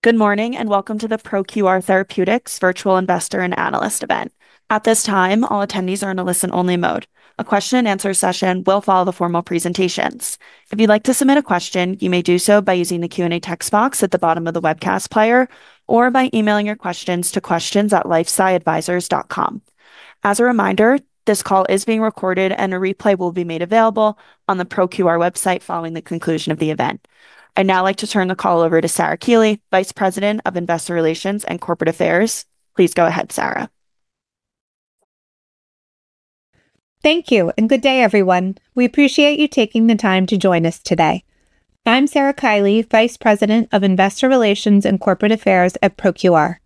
Good morning and welcome to the ProQR Therapeutics Virtual Investor and Analyst event. At this time, all attendees are in a listen-only mode. A question and answer session will follow the formal presentations. If you'd like to submit a question, you may do so by using the Q&A text box at the bottom of the webcast player or by emailing your questions to questions@lifesciadvisors.com. As a reminder, this call is being recorded and a replay will be made available on the ProQR website following the conclusion of the event. I'd now like to turn the call over to Sarah Kiely, Vice President of Investor Relations and Corporate Affairs. Please go ahead, Sarah. Thank you, and good day, everyone. We appreciate you taking the time to join us today. I'm Sarah Kiely, Vice President of Investor Relations and Corporate Affairs at ProQR.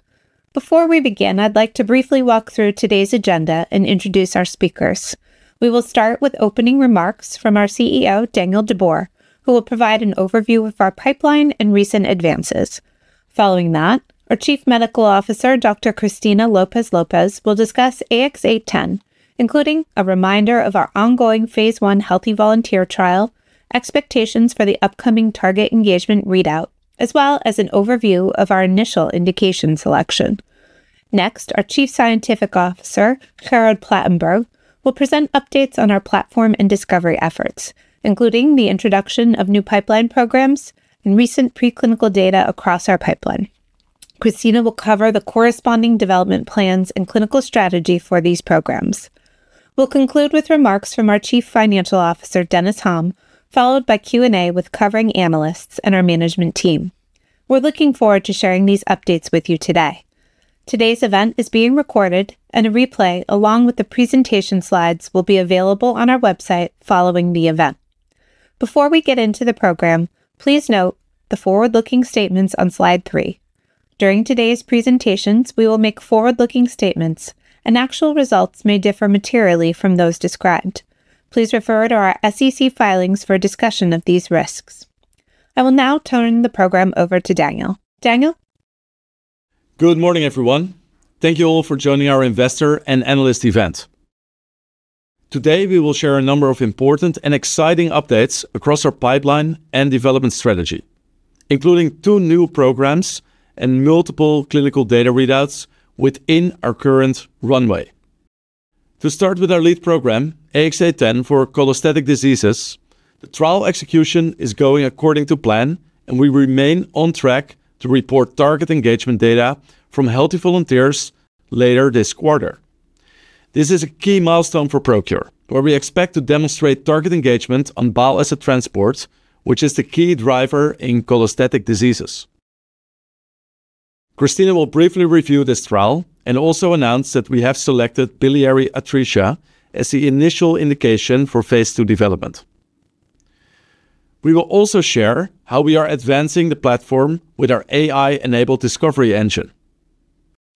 Before we begin, I'd like to briefly walk through today's agenda and introduce our speakers. We will start with opening remarks from our CEO, Daniel de Boer, who will provide an overview of our pipeline and recent advances. Following that, our Chief Medical Officer, Dr. Cristina López-López, will discuss AX-810, including a reminder of our ongoing phase I healthy volunteer trial, expectations for the upcoming target engagement readout, as well as an overview of our initial indication selection. Next, our Chief Scientific Officer, Gerard Platenburg, will present updates on our platform and discovery efforts, including the introduction of new pipeline programs and recent preclinical data across our pipeline. Cristina will cover the corresponding development plans and clinical strategy for these programs. We'll conclude with remarks from our Chief Financial Officer, Dennis Ho, followed by Q&A with covering analysts and our management team. We're looking forward to sharing these updates with you today. Today's event is being recorded and a replay, along with the presentation slides, will be available on our website following the event. Before we get into the program, please note the forward-looking statements on slide three. During today's presentations, we will make forward-looking statements and actual results may differ materially from those described. Please refer to our SEC filings for a discussion of these risks. I will now turn the program over to Daniel. Daniel? Good morning, everyone. Thank you all for joining our investor and analyst event. Today, we will share a number of important and exciting updates across our pipeline and development strategy, including two new programs and multiple clinical data readouts within our current runway. To start with our lead program, AX-0810 for cholestatic diseases, the trial execution is going according to plan, and we remain on track to report target engagement data from healthy volunteers later this quarter. This is a key milestone for ProQR, where we expect to demonstrate target engagement on bile acid transport, which is the key driver in cholestatic diseases. Cristina will briefly review this trial and also announce that we have selected biliary atresia as the initial indication for phase II development. We will also share how we are advancing the platform with our AI-enabled discovery engine.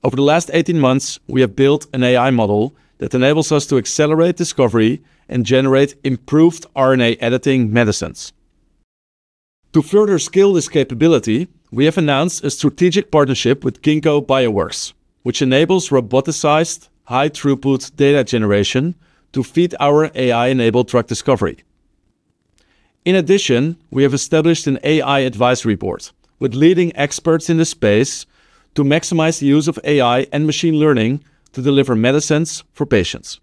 Over the last 18 months, we have built an AI model that enables us to accelerate discovery and generate improved RNA editing medicines. To further scale this capability, we have announced a strategic partnership with Ginkgo Bioworks, which enables roboticized high-throughput data generation to feed our AI-enabled drug discovery. In addition, we have established an AI advisory board with leading experts in the space to maximize the use of AI and machine learning to deliver medicines for patients.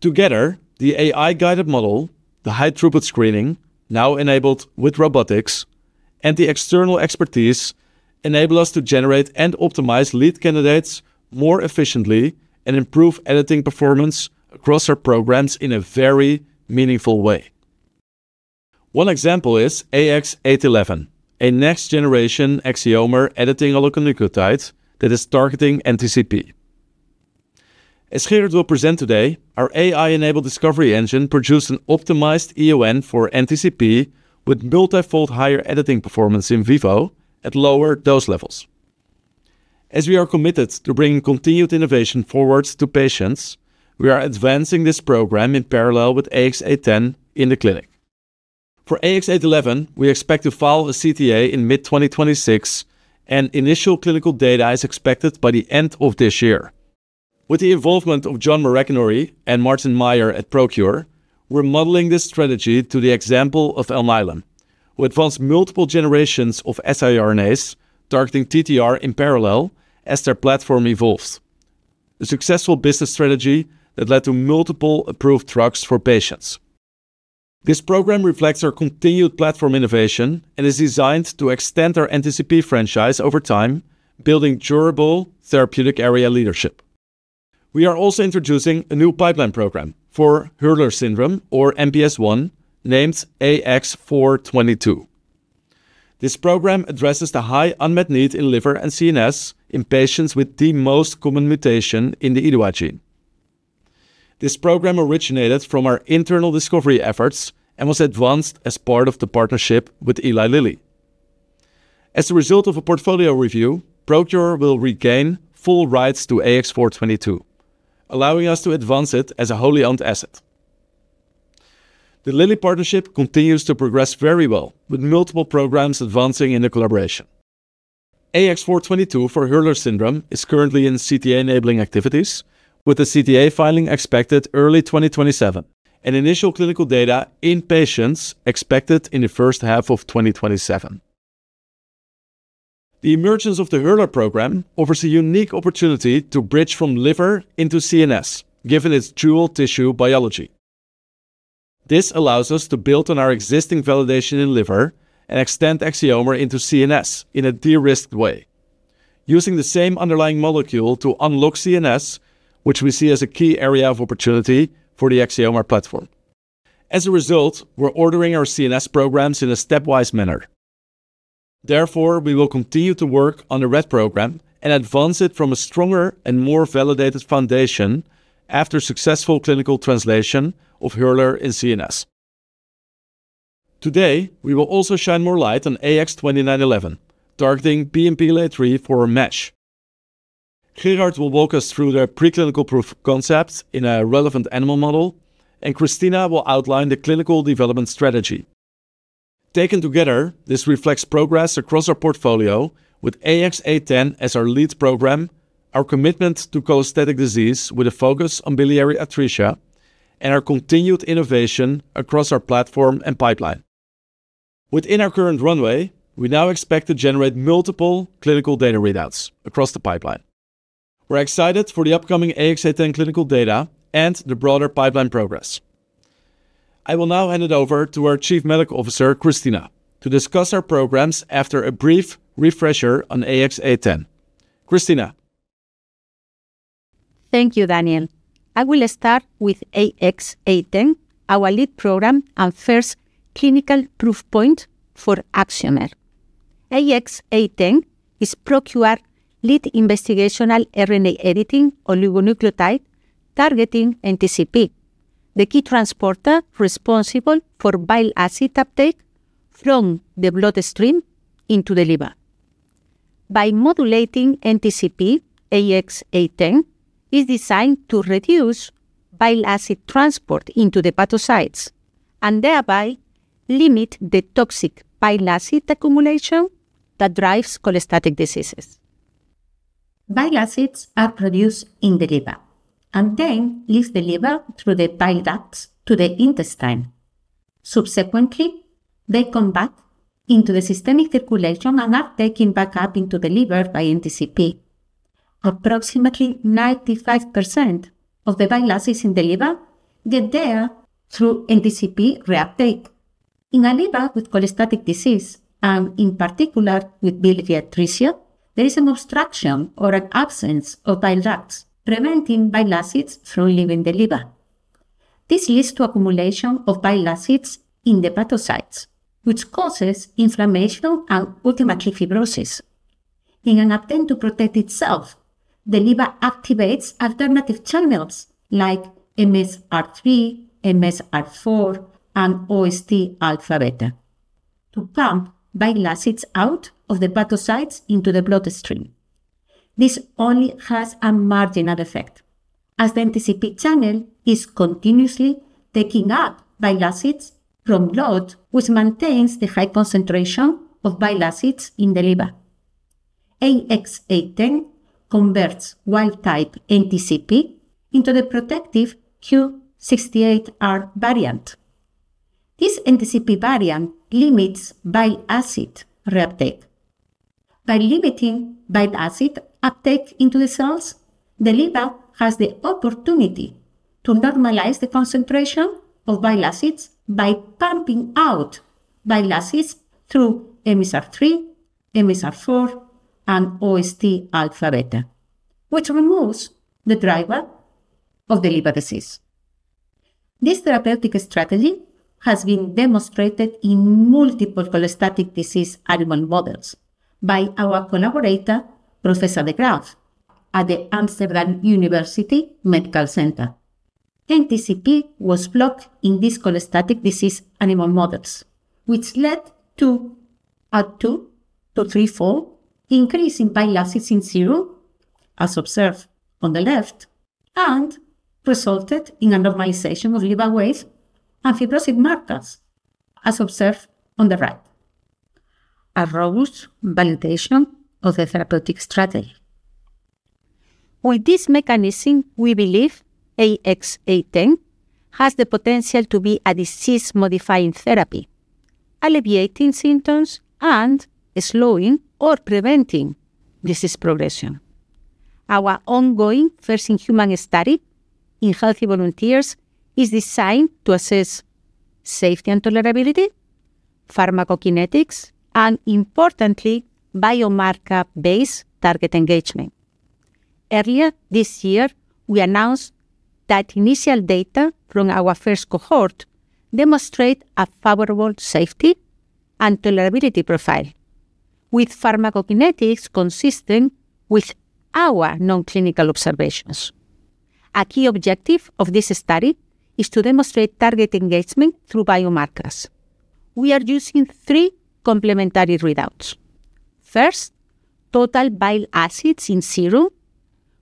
Together, the AI-guided model, the high-throughput screening, now enabled with robotics, and the external expertise enable us to generate and optimize lead candidates more efficiently and improve editing performance across our programs in a very meaningful way. One example is AX-811, a next-generation Axiomer editing oligonucleotide that is targeting NTCP. As Gerard will present today, our AI-enabled discovery engine produced an optimized EON for NTCP with multifold higher editing performance in vivo at lower dose levels. As we are committed to bringing continued innovation forward to patients, we are advancing this program in parallel with AX-0810 in the clinic. For AX-0811, we expect to file a CTA in mid-2026, and initial clinical data is expected by the end of this year. With the involvement of John Maraganore and Martin Maier at ProQR, we're modeling this strategy to the example of Alnylam, who advanced multiple generations of siRNAs targeting TTR in parallel as their platform evolves. A successful business strategy that led to multiple approved drugs for patients. This program reflects our continued platform innovation and is designed to extend our NTCP franchise over time, building durable therapeutic area leadership. We are also introducing a new pipeline program for Hurler syndrome or MPS I, named AX-0422. This program addresses the high unmet need in liver and CNS in patients with the most common mutation in the IDUA gene. This program originated from our internal discovery efforts and was advanced as part of the partnership with Eli Lilly. As a result of a portfolio review, ProQR will regain full rights to AX-0422, allowing us to advance it as a wholly owned asset. The Lilly partnership continues to progress very well, with multiple programs advancing in the collaboration. AX-0422 for Hurler syndrome is currently in CTA-enabling activities with the CTA filing expected early 2027, and initial clinical data in patients expected in the first half of 2027. The emergence of the Hurler program offers a unique opportunity to bridge from liver into CNS, given its dual tissue biology. This allows us to build on our existing validation in liver and extend Axiomer into CNS in a de-risked way. Using the same underlying molecule to unlock CNS, which we see as a key area of opportunity for the Axiomer platform. As a result, we're ordering our CNS programs in a stepwise manner. Therefore, we will continue to work on the Rett program and advance it from a stronger and more validated foundation after successful clinical translation of Hurler in CNS. Today, we will also shine more light on AX-2911, targeting PNPLA3 for MASH. Gerard will walk us through the preclinical proof of concept in a relevant animal model, and Cristina will outline the clinical development strategy. Taken together, this reflects progress across our portfolio with AX-0810 as our lead program, our commitment to cholestatic disease, with a focus on biliary atresia, and our continued innovation across our platform and pipeline. Within our current runway, we now expect to generate multiple clinical data readouts across the pipeline. We're excited for the upcoming AX-0810 clinical data and the broader pipeline progress. I will now hand it over to our Chief Medical Officer, Cristina, to discuss our programs after a brief refresher on AX-0810. Cristina. Thank you, Daniel. I will start with AX-0810, our lead program, and first clinical proof point for Axiomer. AX-0810 is ProQR's lead investigational RNA editing oligonucleotide targeting NTCP, the key transporter responsible for bile acid uptake from the bloodstream into the liver. By modulating NTCP, AX-0810 is designed to reduce bile acid transport into the hepatocytes, and thereby limit the toxic bile acid accumulation that drives cholestatic diseases. Bile acids are produced in the liver and then leaves the liver through the bile ducts to the intestine. Subsequently, they come back into the systemic circulation and are taken back up into the liver by NTCP. Approximately 95% of the bile acids in the liver get there through NTCP re-uptake. In a liver with cholestatic disease, and in particular with biliary atresia, there is an obstruction or an absence of bile ducts preventing bile acids from leaving the liver. This leads to accumulation of bile acids in the hepatocytes, which causes inflammation and ultimately fibrosis. In an attempt to protect itself, the liver activates alternative channels like MSR3, MSR4, and OST alpha beta to pump bile acids out of the hepatocytes into the bloodstream. This only has a marginal effect as the NTCP channel is continuously taking up bile acids from blood, which maintains the high concentration of bile acids in the liver. AX-0810 converts wild type NTCP into the protective Q68R variant. This NTCP variant limits bile acid re-uptake. By limiting bile acid uptake into the cells, the liver has the opportunity to normalize the concentration of bile acids by pumping out bile acids through MSR3, MSR4, and OST alpha/beta, which removes the driver of the liver disease. This therapeutic strategy has been demonstrated in multiple cholestatic disease animal models by our collab orator, Professor de Graaf, at the Amsterdam University Medical Center. NTCP was blocked in these cholestatic disease animal models, which led to a two- to three-fold increase in bile acids in serum, as observed on the left, and resulted in a normalization of liver weight and fibrotic markers, as observed on the right. A robust validation of the therapeutic strategy. With this mechanism, we believe AX-0810 has the potential to be a disease-modifying therapy, alleviating symptoms and slowing or preventing disease progression. Our ongoing first-in-human study in healthy volunteers is designed to assess safety and tolerability, pharmacokinetics, and importantly, biomarker-based target engagement. Earlier this year, we announced that initial data from our first cohort demonstrate a favorable safety and tolerability profile. With pharmacokinetics consistent with our non-clinical observations. A key objective of this study is to demonstrate target engagement through biomarkers. We are using three complementary readouts. First, total bile acids in serum,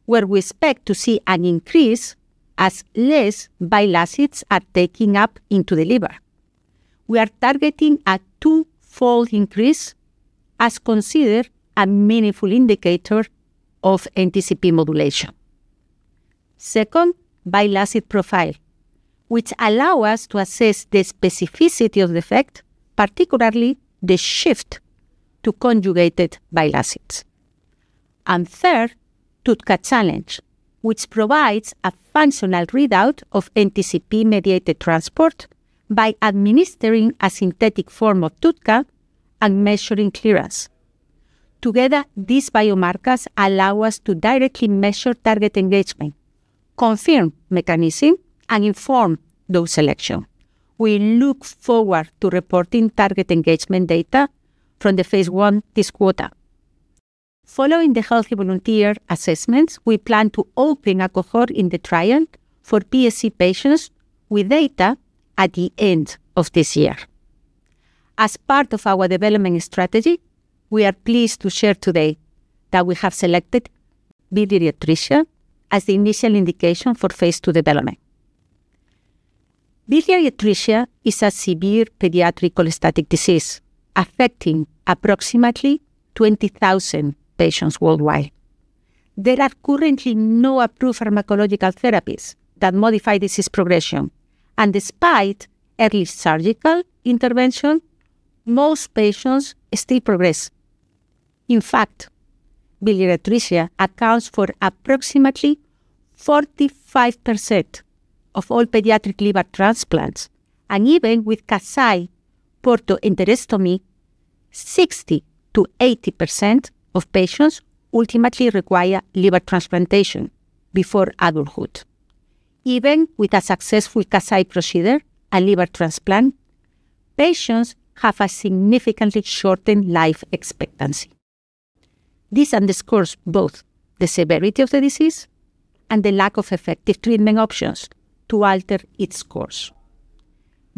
where we expect to see an increase as less bile acids are taking up into the liver. We are targeting a two-fold increase as considered a meaningful indicator of NTCP modulation. Second, bile acid profile, which allow us to assess the specificity of the effect, particularly the shift to conjugated bile acids. And third, TUDCA challenge, which provides a functional readout of NTCP-mediated transport by administering a synthetic form of TUDCA and measuring clearance. Together, these biomarkers allow us to directly measure target engagement, confirm mechanism, and inform dose selection. We look forward to reporting target engagement data from the phase I this quarter. Following the healthy volunteer assessments, we plan to open a cohort in the trial for PSC patients with data at the end of this year. As part of our development strategy, we are pleased to share today that we have selected biliary atresia as the initial indication for phase II development. Biliary atresia is a severe pediatric cholestatic disease affecting approximately 20,000 patients worldwide. There are currently no approved pharmacological therapies that modify disease progression. Despite early surgical intervention, most patients still progress. In fact, biliary atresia accounts for approximately 45% of all pediatric liver transplants, and even with Kasai portoenterostomy, 60%-80% of patients ultimately require liver transplantation before adulthood. Even with a successful Kasai procedure and liver transplant, patients have a significantly shortened life expectancy. This underscores both the severity of the disease and the lack of effective treatment options to alter its course.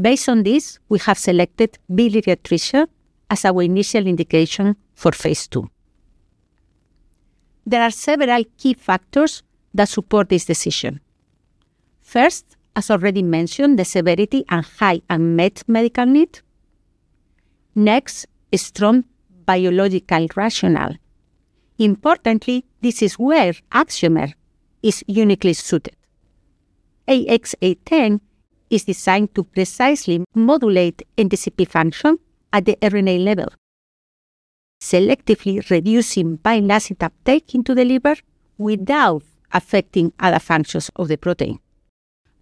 Based on this, we have selected biliary atresia as our initial indication for phase II. There are several key factors that support this decision. First, as already mentioned, the severity and high unmet medical need. Next, a strong biological rationale. Importantly, this is where Axiomer is uniquely suited. AX-0810 is designed to precisely modulate NTCP function at the RNA level, selectively reducing bile acid uptake into the liver without affecting other functions of the protein.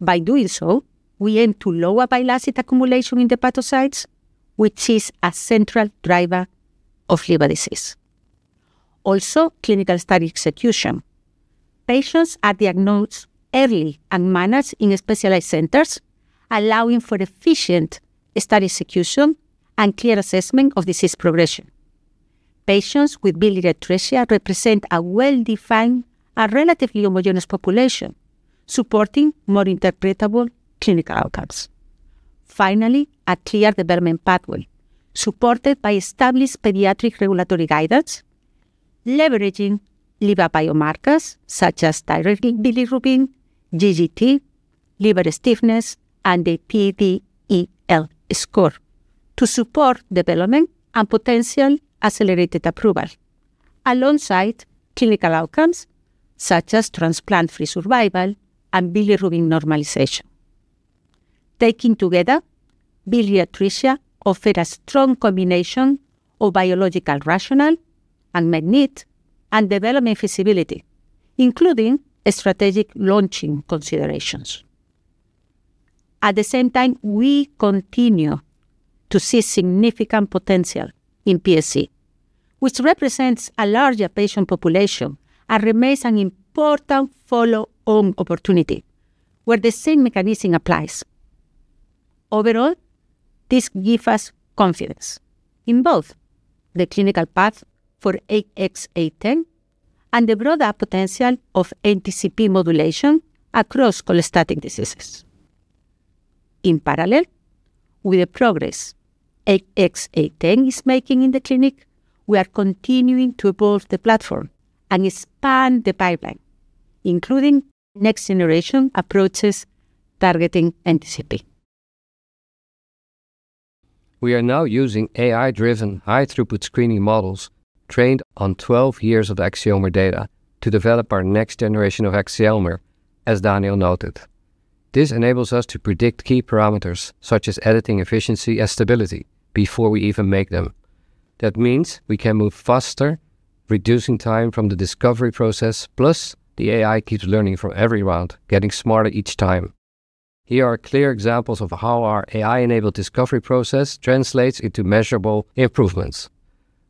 By doing so, we aim to lower bile acid accumulation in the hepatocytes, which is a central driver of liver disease. Also, clinical study execution. Patients are diagnosed early and managed in specialized centers, allowing for efficient study execution and clear assessment of disease progression. Patients with biliary atresia represent a well-defined and relatively homogeneous population, supporting more interpretable clinical outcomes. Finally, a clear development pathway supported by established pediatric regulatory guidance, leveraging liver biomarkers such as direct bilirubin, GGT, liver stiffness, and the PVEL score to support development and potential accelerated approval alongside clinical outcomes such as transplant-free survival and bilirubin normalization. Taken together, biliary atresia offers a strong combination of biological rationale, unmet need, and development feasibility, including strategic launching considerations. At the same time, we continue to see significant potential in PSC, which represents a larger patient population and remains an important follow-on opportunity where the same mechanism applies. Overall, this gives us confidence in both the clinical path for AX-0810 and the broader potential of NTCP modulation across cholestatic diseases. In parallel with the progress AX-0810 is making in the clinic, we are continuing to evolve the platform and expand the pipeline, including next-generation approaches targeting NTCP. We are now using AI-driven high-throughput screening models trained on 12 years of Axiomer data to develop our next generation of Axiomer, as Daniel noted. This enables us to predict key parameters, such as editing efficiency and stability before we even make them. That means we can move faster, reducing time from the discovery process. Plus, the AI keeps learning from every round, getting smarter each time. Here are clear examples of how our AI-enabled discovery process translates into measurable improvements.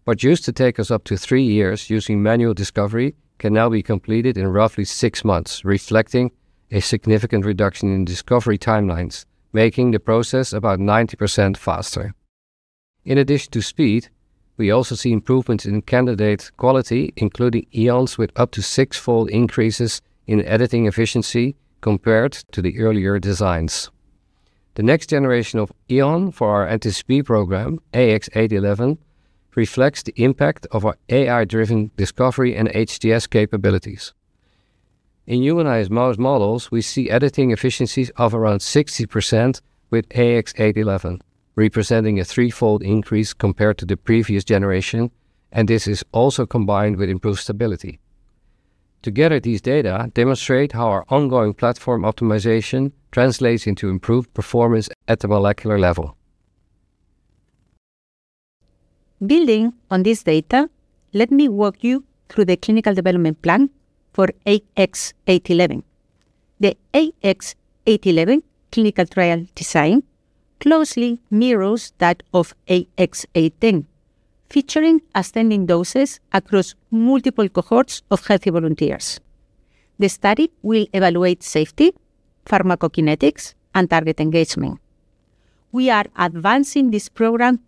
What used to take us up to three years using manual discovery can now be completed in roughly six months, reflecting a significant reduction in discovery timelines, making the process about 90% faster. In addition to speed, we also see improvements in candidate quality, including EONs with up to sixfold increases in editing efficiency compared to the earlier designs. The next generation of EON for our NTCP program, AX-0811, reflects the impact of our AI-driven discovery and HTS capabilities. In humanized mouse models, we see editing efficiencies of around 60% with AX-0811, representing a threefold increase compared to the previous generation, and this is also combined with improved stability. Together, these data demonstrate how our ongoing platform optimization translates into improved performance at the molecular level. Building on this data, let me walk you through the clinical development plan for AX-0811. The AX-0811 clinical trial design closely mirrors that of AX-0810, featuring ascending doses across multiple cohorts of healthy volunteers. The study will evaluate safety, pharmacokinetics, and target engagement. We are advancing this program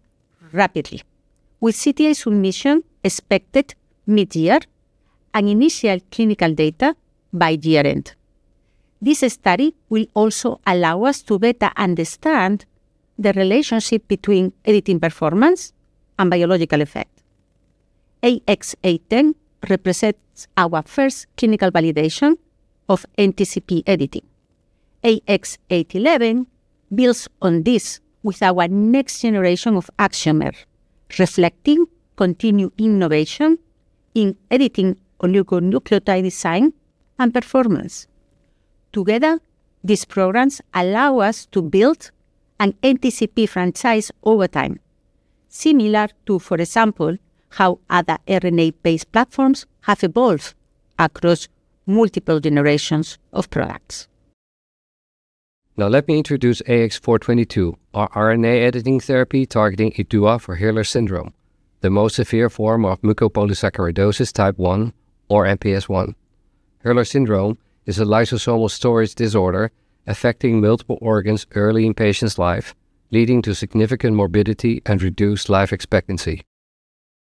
rapidly with CTA submission expected mid-year and initial clinical data by year-end. This study will also allow us to better understand the relationship between editing performance and biological effect. AX-0810 represents our first clinical validation of NTCP editing. AX-0811 builds on this with our next generation of Axiomer, reflecting continued innovation in editing oligonucleotide design and performance. Together, these programs allow us to build an NTCP franchise over time. Similar to, for example, how other RNA-based platforms have evolved across multiple generations of products. Now let me introduce AX-0422, our RNA editing therapy targeting IDUA for Hurler syndrome, the most severe form of mucopolysaccharidosis type 1, or MPS1. Hurler syndrome is a lysosomal storage disorder affecting multiple organs early in patients' life, leading to significant morbidity and reduced life expectancy.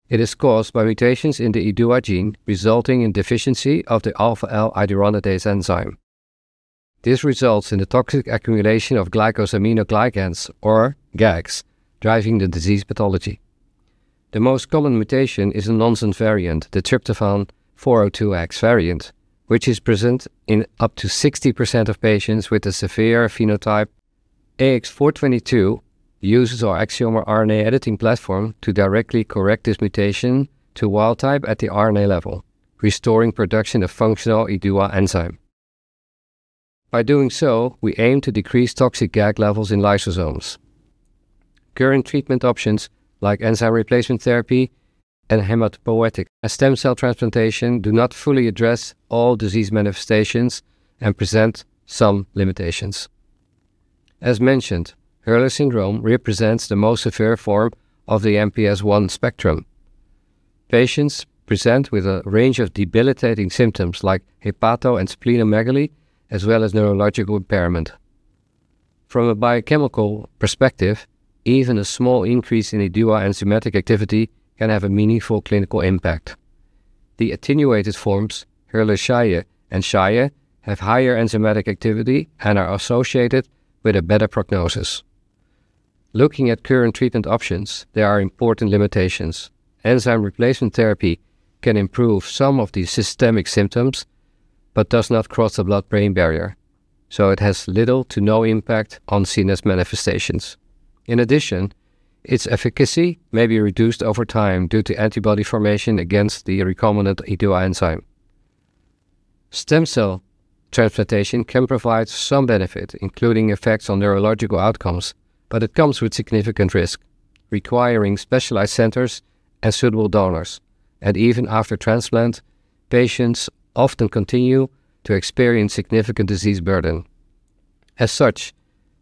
It is caused by mutations in the IDUA gene, resulting in deficiency of the alpha-L iduronidase enzyme. This results in the toxic accumulation of glycosaminoglycans, or GAGs, driving the disease pathology. The most common mutation is a nonsense variant, the Trp402X variant, which is present in up to 60% of patients with a severe phenotype. AX-0422 uses our Axiomer RNA editing platform to directly correct this mutation to wild type at the RNA level, restoring production of functional IDUA enzyme. By doing so, we aim to decrease toxic GAG levels in lysosomes. Current treatment options like enzyme replacement therapy and hematopoietic stem cell transplantation do not fully address all disease manifestations and present some limitations. As mentioned, Hurler syndrome represents the most severe form of the MPS I spectrum. Patients present with a range of debilitating symptoms like hepato and splenomegaly, as well as neurological impairment. From a biochemical perspective, even a small increase in IDUA enzymatic activity can have a meaningful clinical impact. The attenuated forms, Hurler-Scheie and Scheie, have higher enzymatic activity and are associated with a better prognosis. Looking at current treatment options, there are important limitations. Enzyme replacement therapy can improve some of the systemic symptoms but does not cross the blood-brain barrier, so it has little to no impact on CNS manifestations. In addition, its efficacy may be reduced over time due to antibody formation against the recombinant IDUA enzyme. Stem cell transplantation can provide some benefit, including effects on neurological outcomes, but it comes with significant risk, requiring specialized centers and suitable donors. Even after transplant, patients often continue to experience significant disease burden. As such,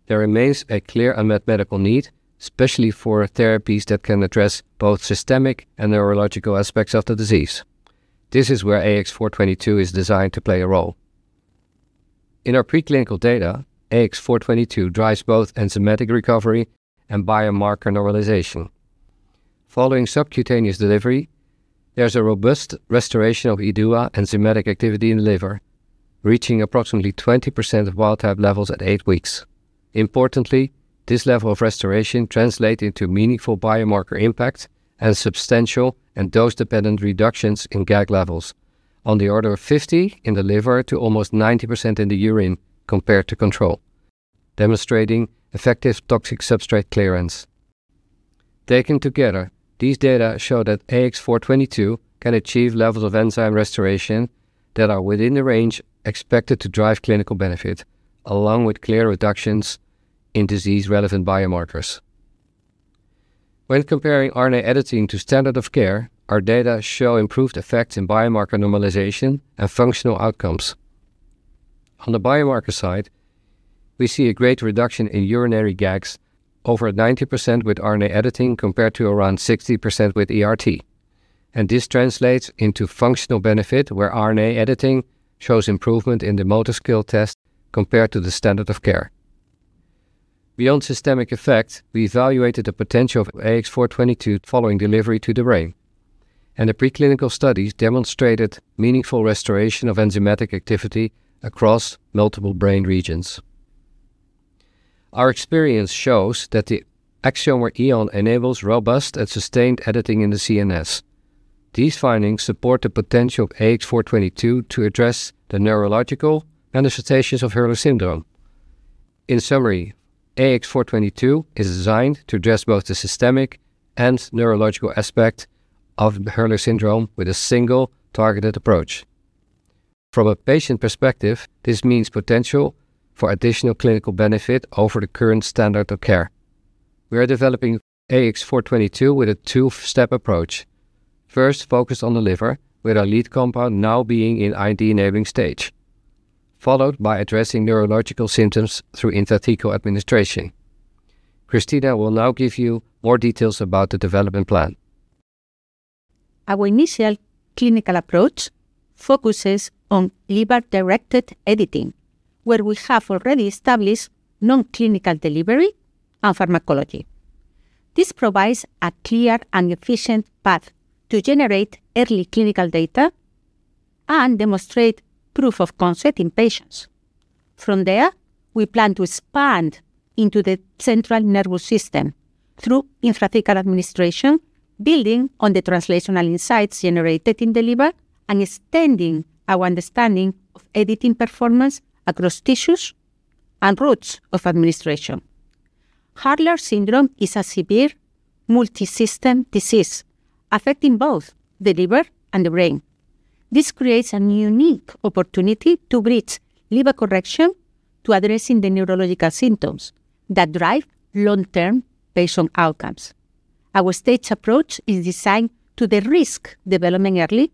there remains a clear unmet medical need, especially for therapies that can address both systemic and neurological aspects of the disease. This is where AX-0422 is designed to play a role. In our preclinical data, AX-0422 drives both enzymatic recovery and biomarker normalization. Following subcutaneous delivery, there's a robust restoration of IDUA enzymatic activity in the liver, reaching approximately 20% of wild type levels at eight weeks. Importantly, this level of restoration translates into meaningful biomarker impact, and substantial and dose-dependent reductions in GAG levels. On the order of 50% in the liver to almost 90% in the urine compared to control, demonstrating effective toxic substrate clearance. Taken together, these data show that AX-0422 can achieve levels of enzyme restoration that are within the range expected to drive clinical benefit, along with clear reductions in disease-relevant biomarkers. When comparing RNA editing to standard of care, our data show improved effects in biomarker normalization and functional outcomes. On the biomarker side, we see a great reduction in urinary GAGs, over 90% with RNA editing compared to around 60% with ERT. This translates into functional benefit, where RNA editing shows improvement in the motor skill test compared to the standard of care. Beyond systemic effects, we evaluated the potential of AX-0422 following delivery to the brain, and the preclinical studies demonstrated meaningful restoration of enzymatic activity across multiple brain regions. Our experience shows that the Axiomer EON enables robust and sustained editing in the CNS. These findings support the potential of AX-0422 to address the neurological manifestations of Hurler syndrome. In summary, AX-0422 is designed to address both the systemic and neurological aspect of Hurler syndrome with a single targeted approach. From a patient perspective, this means potential for additional clinical benefit over the current standard of care. We are developing AX-0422 with a two-step approach. First, focused on the liver with our lead compound now being in ID-enabling stage, followed by addressing neurological symptoms through intrathecal administration. Cristina will now give you more details about the development plan. Our initial clinical approach focuses on liver-directed editing, where we have already established non-clinical delivery and pharmacology. This provides a clear and efficient path to generate early clinical data and demonstrate proof of concept in patients. From there, we plan to expand into the central nervous system through intrathecal administration, building on the translational insights generated in the liver and extending our understanding of editing performance across tissues and routes of administration. Hurler syndrome is a severe multisystem disease affecting both the liver and the brain. This creates a unique opportunity to bridge liver correction to addressing the neurological symptoms that drive long-term patient outcomes. Our staged approach is designed to de-risk development early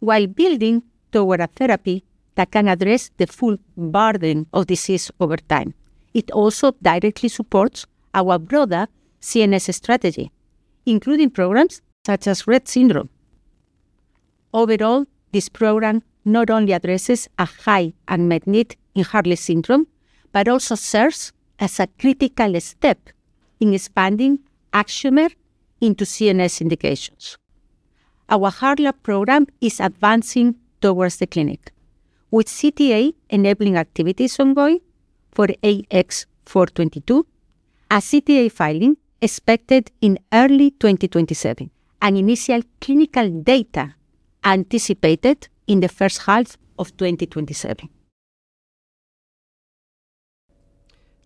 while building toward a therapy that can address the full burden of disease over time. It also directly supports our broader CNS strategy, including programs such as Rett syndrome. Overall, this program not only addresses a high unmet need in Hurler syndrome, but also serves as a critical step in expanding Axiomer into CNS indications. Our Hurler program is advancing towards the clinic with CTA-enabling activities ongoing for AX-422, a CTA filing expected in early 2027, and initial clinical data anticipated in the first half of 2027.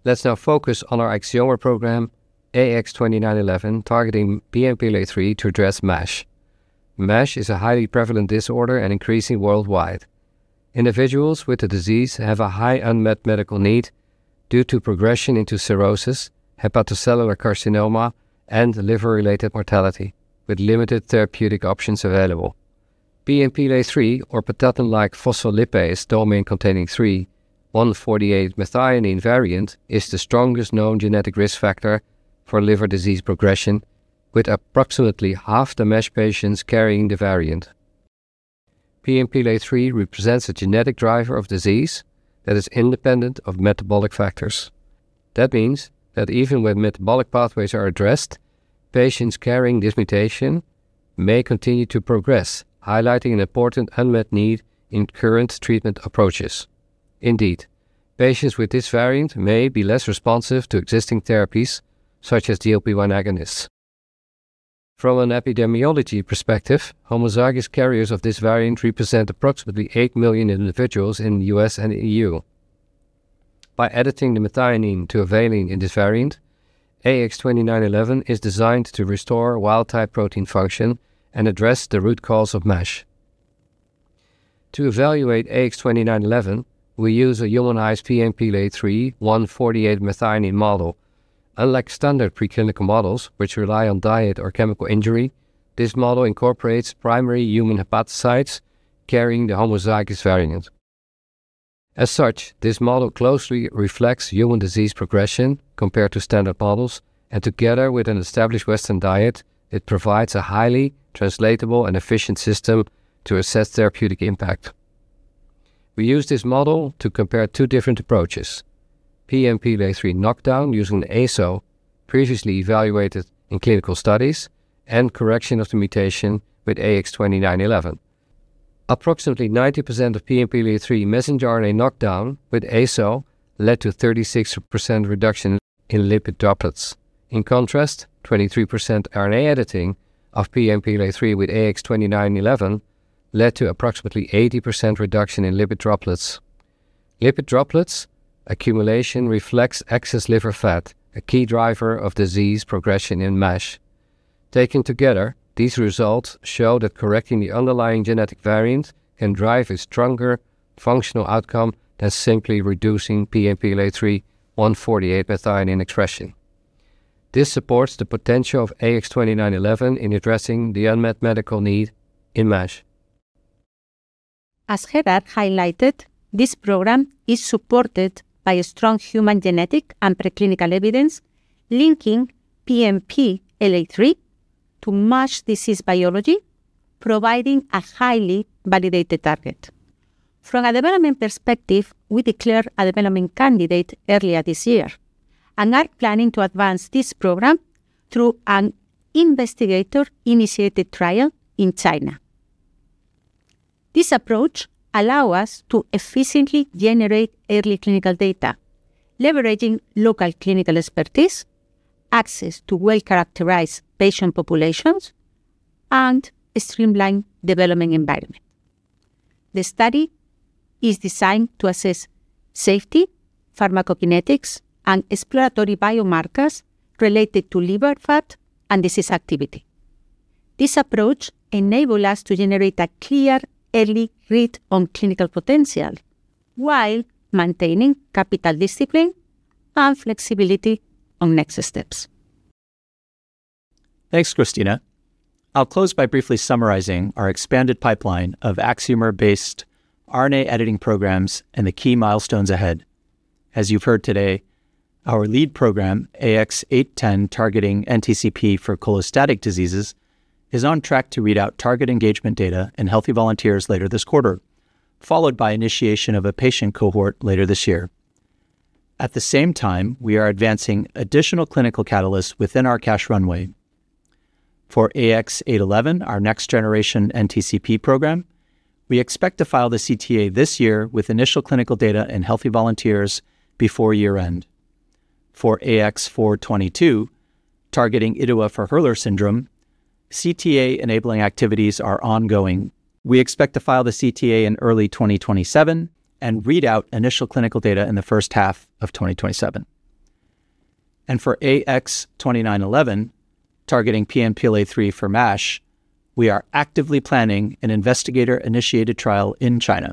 Let's now focus on our Axiomer program, AX-2911, targeting PNPLA3 to address MASH. MASH is a highly prevalent disorder and increasing worldwide. Individuals with the disease have a high unmet medical need due to progression into cirrhosis, hepatocellular carcinoma, and liver-related mortality, with limited therapeutic options available. PNPLA3, or patatin-like phospholipase domain-containing 3 I148M variant, is the strongest known genetic risk factor for liver disease progression with approximately half the MASH patients carrying the variant. PNPLA3 represents a genetic driver of disease that is independent of metabolic factors. That means that even when metabolic pathways are addressed, patients carrying this mutation may continue to progress, highlighting an important unmet need in current treatment approaches. Indeed, patients with this variant may be less responsive to existing therapies such as GLP-1 agonists. From an epidemiology perspective, homozygous carriers of this variant represent approximately 8 million individuals in the U.S. and EU. By editing the methionine to a valine in this variant, AX-2911 is designed to restore wild-type protein function and address the root cause of MASH. To evaluate AX-2911, we use a humanized PNPLA3 148 methionine model. Unlike standard preclinical models, which rely on diet or chemical injury, this model incorporates primary human hepatocytes carrying the homozygous variant. As such, this model closely reflects human disease progression compared to standard models, and together with an established Western diet, it provides a highly translatable and efficient system to assess therapeutic impact. We use this model to compare two different approaches, PNPLA3 knockdown using an ASO previously evaluated in clinical studies, and correction of the mutation with AX-2911. Approximately 90% of PNPLA3 messenger RNA knockdown with ASO led to 36% reduction in lipid droplets. In contrast, 23% RNA editing of PNPLA3 with AX-2911 led to approximately 80% reduction in lipid droplets. Lipid droplets accumulation reflects excess liver fat, a key driver of disease progression in MASH. Taken together, these results show that correcting the underlying genetic variant can drive a stronger functional outcome than simply reducing PNPLA3 148 methionine expression. This supports the potential of AX-2911 in addressing the unmet medical need in MASH. As Gerard highlighted, this program is supported by a strong human genetic and preclinical evidence linking PNPLA3 to MASH disease biology, providing a highly validated target. From a development perspective, we declared a development candidate earlier this year and are planning to advance this program through an investigator-initiated trial in China. This approach allow us to efficiently generate early clinical data, leveraging local clinical expertise, access to well-characterized patient populations, and a streamlined development environment. The study is designed to assess safety, pharmacokinetics, and exploratory biomarkers related to liver fat and disease activity. This approach enable us to generate a clear early read on clinical potential while maintaining capital discipline and flexibility on next steps. Thanks, Cristina. I'll close by briefly summarizing our expanded pipeline of Axiomer-based RNA editing programs and the key milestones ahead. As you've heard today, our lead program, AX-0810, targeting NTCP for cholestatic diseases, is on track to read out target engagement data in healthy volunteers later this quarter, followed by initiation of a patient cohort later this year. At the same time, we are advancing additional clinical catalysts within our cash runway. For AX-0811, our next generation NTCP program, we expect to file the CTA this year with initial clinical data in healthy volunteers before year-end. For AX-0422, targeting IDUA for Hurler syndrome, CTA-enabling activities are ongoing. We expect to file the CTA in early 2027 and read out initial clinical data in the first half of 2027. For AX-2911, targeting PNPLA3 for MASH, we are actively planning an investigator-initiated trial in China.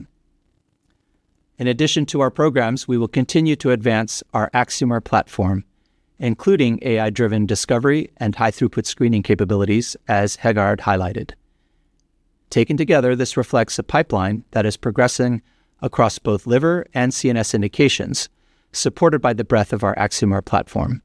In addition to our programs, we will continue to advance our Axiomer platform, including AI-driven discovery and high-throughput screening capabilities, as Gerard highlighted. Taken together, this reflects a pipeline that is progressing across both liver and CNS indications, supported by the breadth of our Axiomer platform.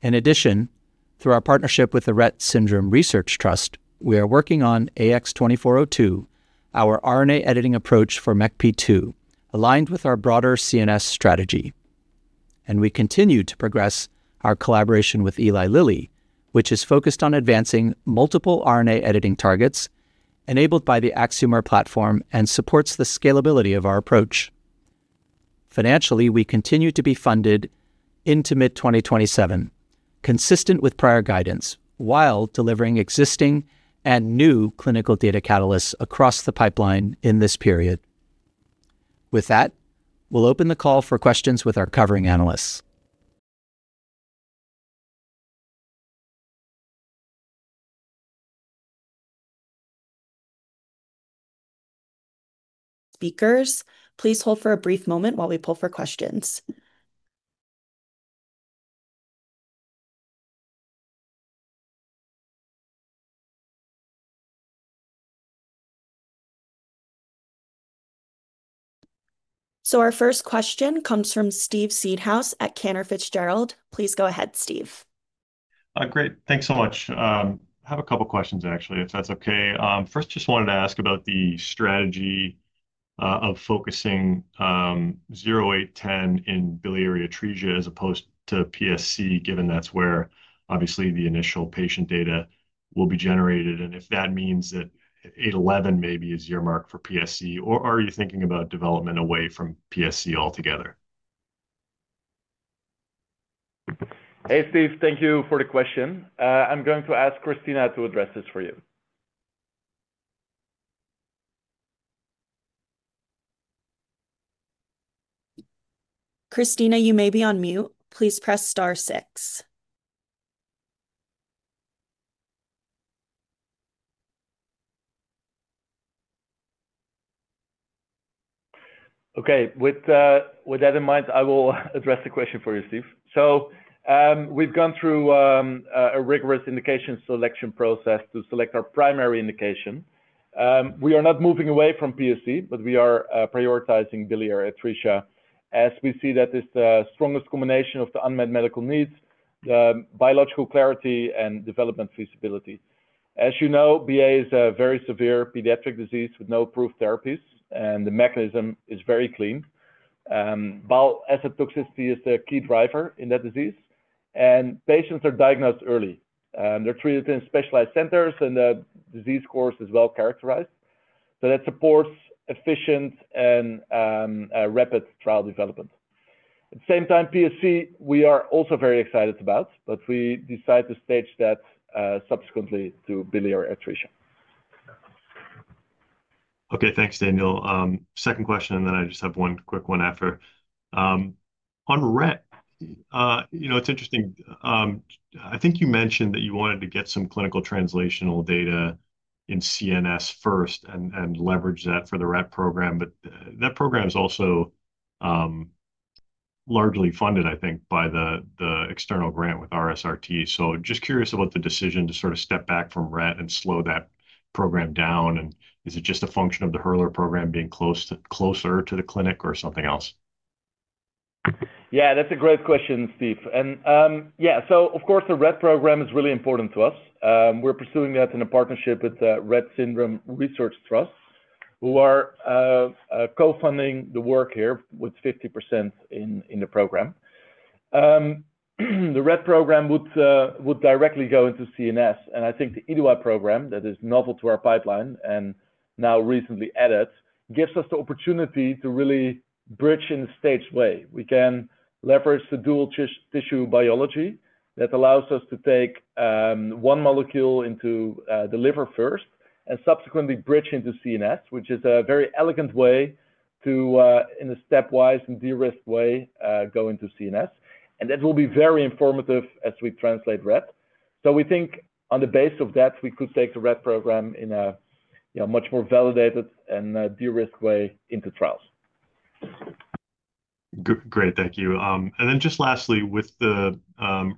In addition, through our partnership with the Rett Syndrome Research Trust, we are working on AX-2402, our RNA editing approach for MECP2, aligned with our broader CNS strategy. We continue to progress our collaboration with Eli Lilly, which is focused on advancing multiple RNA editing targets enabled by the Axiomer platform, and supports the scalability of our approach. Financially, we continue to be funded into mid-2027, consistent with prior guidance, while delivering existing, and new clinical data catalysts across the pipeline in this period. With that, we'll open the call for questions with our covering analysts. Speakers, please hold for a brief moment while we poll for questions. Our first question comes from Steve Seedhouse at Cantor Fitzgerald. Please go ahead, Steve. Great. Thanks so much. I have a couple questions, actually, if that's okay. First, just wanted to ask about the strategy of focusing 0810 in biliary atresia as opposed to PSC, given that's where obviously the initial patient data will be generated, and if that means that 811 maybe is your bet for PSC, or are you thinking about development away from PSC altogether? Hey, Steve. Thank you for the question. I'm going to ask Cristina to address this for you. Cristina, you may be on mute. Please press star six. Okay. With that in mind, I will address the question for you, Steve. We've gone through a rigorous indication selection process to select our primary indication. We are not moving away from PSC, but we are prioritizing biliary atresia as we see that is the strongest combination of the unmet medical needs, biological clarity, and development feasibility. As you know, BA is a very severe pediatric disease with no approved therapies, and the mechanism is very clean. Bile acid toxicity is the key driver in that disease, and patients are diagnosed early. They're treated in specialized centers, and the disease course is well-characterized. That supports efficient and rapid trial development. At the same time, PSC, we are also very excited about, but we decide to stage that subsequently to biliary atresia. Okay. Thanks, Daniel. Second question, and then I just have one quick one after. On Rett, it's interesting. I think you mentioned that you wanted to get some clinical translational data in CNS first and leverage that for the Rett program, but that program is also largely funded, I think, by the external grant with RSRT. Just curious about the decision to sort of step back from Rett and slow that program down, and is it just a function of the Hurler program being closer to the clinic or something else? Yeah, that's a great question, Steve. Yeah, so of course, the Rett program is really important to us. We're pursuing that in a partnership with the Rett Syndrome Research Trust, who are co-funding the work here with 50% in the program. The RET program would directly go into CNS. I think the IDUA program that is novel to our pipeline and now recently added gives us the opportunity to really bridge in a staged way. We can leverage the dual tissue biology that allows us to take one molecule into the liver first, and subsequently bridge into CNS, which is a very elegant way to, in a stepwise and de-risked way, go into CNS. That will be very informative as we translate RET. We think on the base of that, we could take the RET program in a much more validated and de-risked way into trials. Great. Thank you. Just lastly, with the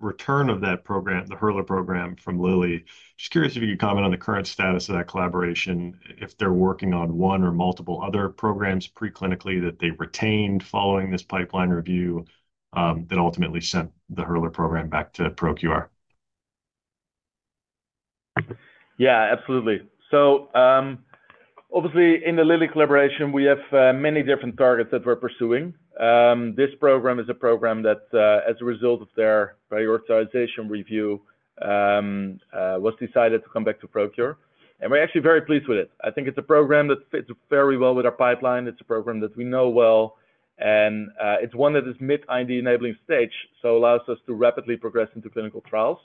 return of that program, the Hurler program from Lilly, just curious if you could comment on the current status of that collaboration, if they're working on one or multiple other programs preclinically that they've retained following this pipeline review, that ultimately sent the Hurler program back to ProQR? Yeah, absolutely. Obviously, in the Lilly collaboration, we have many different targets that we're pursuing. This program is a program that, as a result of their prioritization review, was decided to come back to ProQR, and we're actually very pleased with it. I think it's a program that fits very well with our pipeline. It's a program that we know well and it's one that is mid ID-enabling stage, so allows us to rapidly progress into clinical trials.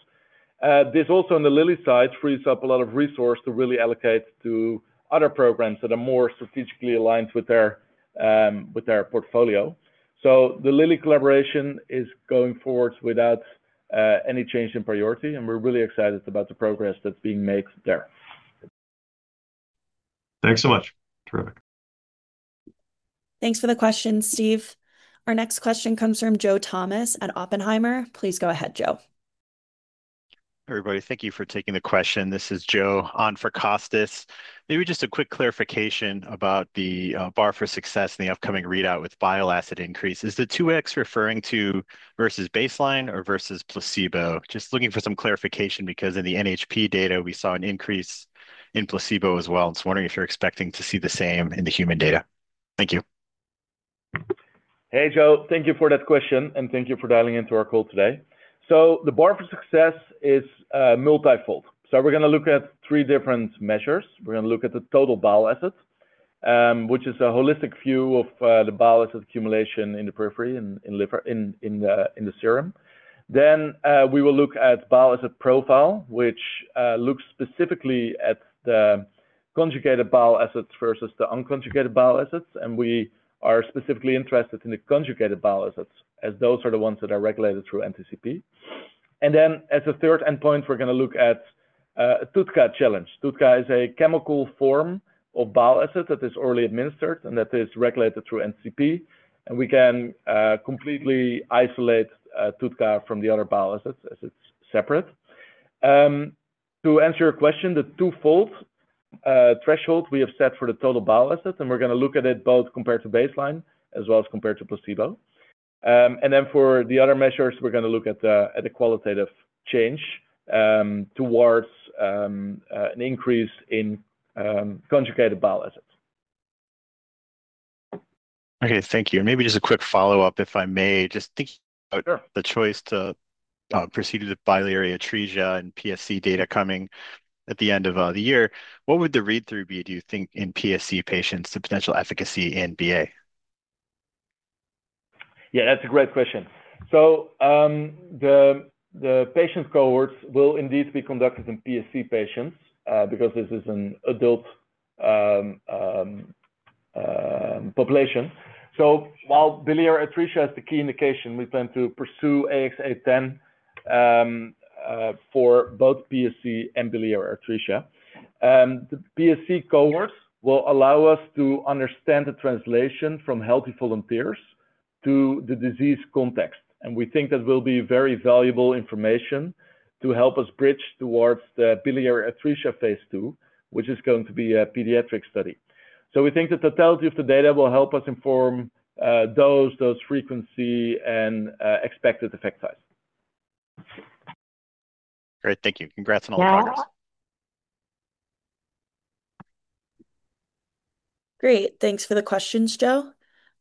This also on the Lilly side, frees up a lot of resource to really allocate to other programs that are more strategically aligned with their portfolio. The Lilly collaboration is going forward without any change in priority, and we're really excited about the progress that's being made there. Thanks so much. Terrific. Thanks for the question, Steve. Our next question comes from Joe Thomas at Oppenheimer. Please go ahead, Joe. Everybody, thank you for taking the question. This is Joe on for Costas. Maybe just a quick clarification about the bar for success in the upcoming readout with bile acid increase. Is the two x referring to versus baseline or versus placebo? Just looking for some clarification because in the NHP data we saw an increase in placebo as well. I was wondering if you're expecting to see the same in the human data. Thank you. Hey, Joe. Thank you for that question and thank you for dialing into our call today. The bar for success is multifold. We're going to look at three different measures. We're going to look at the total bile acids, which is a holistic view of the bile acid accumulation in the periphery and in the serum. We will look at bile acid profile, which looks specifically at the conjugated bile acids versus the unconjugated bile acids. We are specifically interested in the conjugated bile acids as those are the ones that are regulated through NTCP. As a third endpoint, we're going to look at TUDCA challenge. TUDCA is a chemical form of bile acids that is orally administered and that is regulated through NTCP. We can completely isolate TUDCA from the other bile acids as it's separate. To answer your question, the twofold threshold we have set for the total bile acids, and we're going to look at it both compared to baseline as well as compared to placebo. For the other measures, we're going to look at the qualitative change towards an increase in conjugated bile acids. Okay. Thank you. Maybe just a quick follow-up, if I may, just thinking about. Sure. The choice to proceed with the biliary atresia and PSC data coming at the end of the year, what would the read-through be, do you think, in PSC patients, the potential efficacy in BA? Yeah, that's a great question. The patient cohorts will indeed be conducted in PSC patients, because this is an adult population. While biliary atresia is the key indication, we plan to pursue AX-0810 for both PSC and biliary atresia. The PSC cohorts will allow us to understand the translation from healthy volunteers to the disease context. We think that will be very valuable information to help us bridge towards the biliary atresia phase II, which is going to be a pediatric study. We think the totality of the data will help us inform dose frequency, and expected effect size. Great, thank you. Congrats on all the progress. Great. Thanks for the questions, Joe.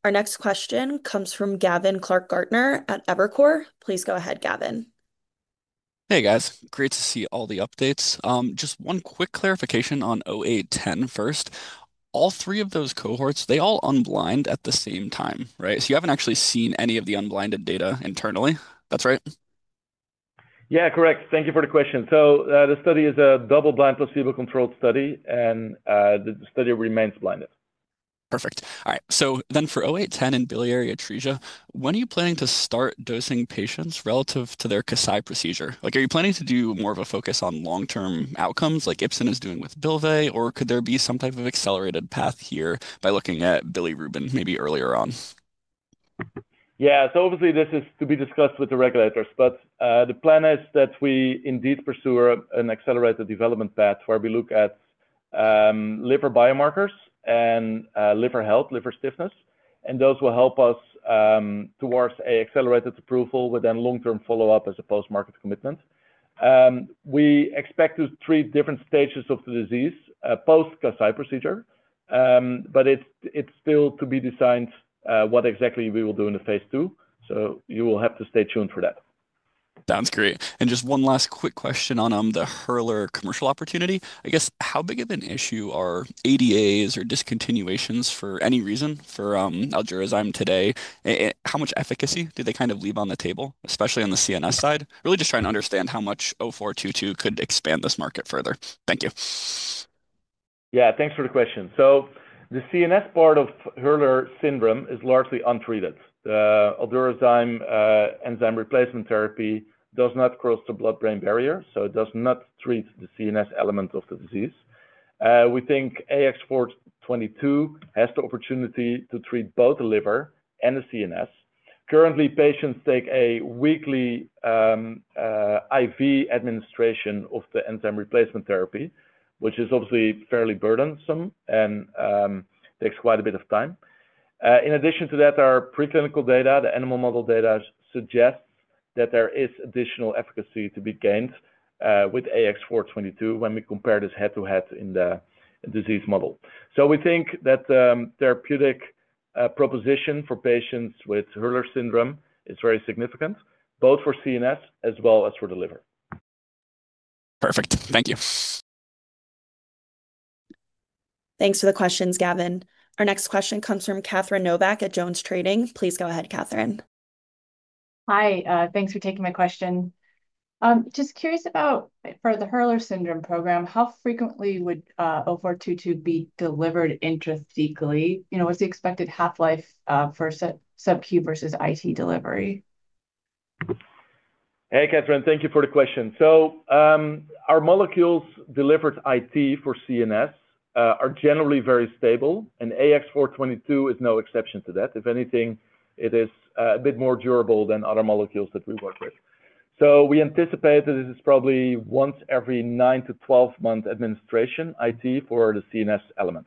Our next question comes from Gavin Clark-Gartner at Evercore. Please go ahead, Gavin. Hey, guys. Great to see all the updates. Just one quick clarification on AX-0810 first. All three of those cohorts, they all unblind at the same time, right? You haven't actually seen any of the unblinded data internally. That's right? Yeah. Correct. Thank you for the question. The study is a double-blind, placebo-controlled study, and the study remains blinded. Perfect. All right. For AX-0810 in biliary atresia, when are you planning to start dosing patients relative to their Kasai procedure? Are you planning to do more of a focus on long-term outcomes like Ipsen is doing with Bylvay, or could there be some type of accelerated path here by looking at bilirubin maybe earlier on? Yeah. Obviously this is to be discussed with the regulators, but the plan is that we indeed pursue an accelerated development path where we look at liver biomarkers and liver health, liver stiffness, and those will help us towards an accelerated approval with then long-term follow-up as a post-market commitment. We expect to treat different stages of the disease post Kasai procedure. It's still to be designed, what exactly we will do in the phase II. You will have to stay tuned for that. Sounds great. Just one last quick question on the Hurler commercial opportunity. I guess, how big of an issue are ADAs or discontinuations for any reason for Aldurazyme today, and how much efficacy do they leave on the table, especially on the CNS side? Really just trying to understand how much AX-0422 could expand this market further. Thank you. Yeah, thanks for the question. The CNS part of Hurler syndrome is largely untreated. The Aldurazyme enzyme replacement therapy does not cross the blood-brain barrier, so it does not treat the CNS element of the disease. We think AX-0422 has the opportunity to treat both the liver and the CNS. Currently, patients take a weekly IV administration of the enzyme replacement therapy, which is obviously fairly burdensome and takes quite a bit of time. In addition to that, our preclinical data, the animal model data suggests, that there is additional efficacy to be gained with AX-0422 when we compare this head-to-head in the disease model. We think that the therapeutic proposition for patients with Hurler syndrome is very significant, both for CNS as well as for the liver. Perfect. Thank you. Thanks for the questions, Gavin. Our next question comes from Catherine Novack at Jones Trading. Please go ahead, Catherine. Hi. Thanks for taking my question. Just curious about for the Hurler syndrome program, how frequently would AX-0422 be delivered intrathecally? What's the expected half-life for sub-Q versus IT delivery? Hey, Catherine. Thank you for the question. Our molecules delivered IT for CNS are generally very stable, and AX-0422 is no exception to that. If anything, it is a bit more durable than other molecules that we work with. We anticipate that it is probably once every nine to 12 months administration IT for the CNS element.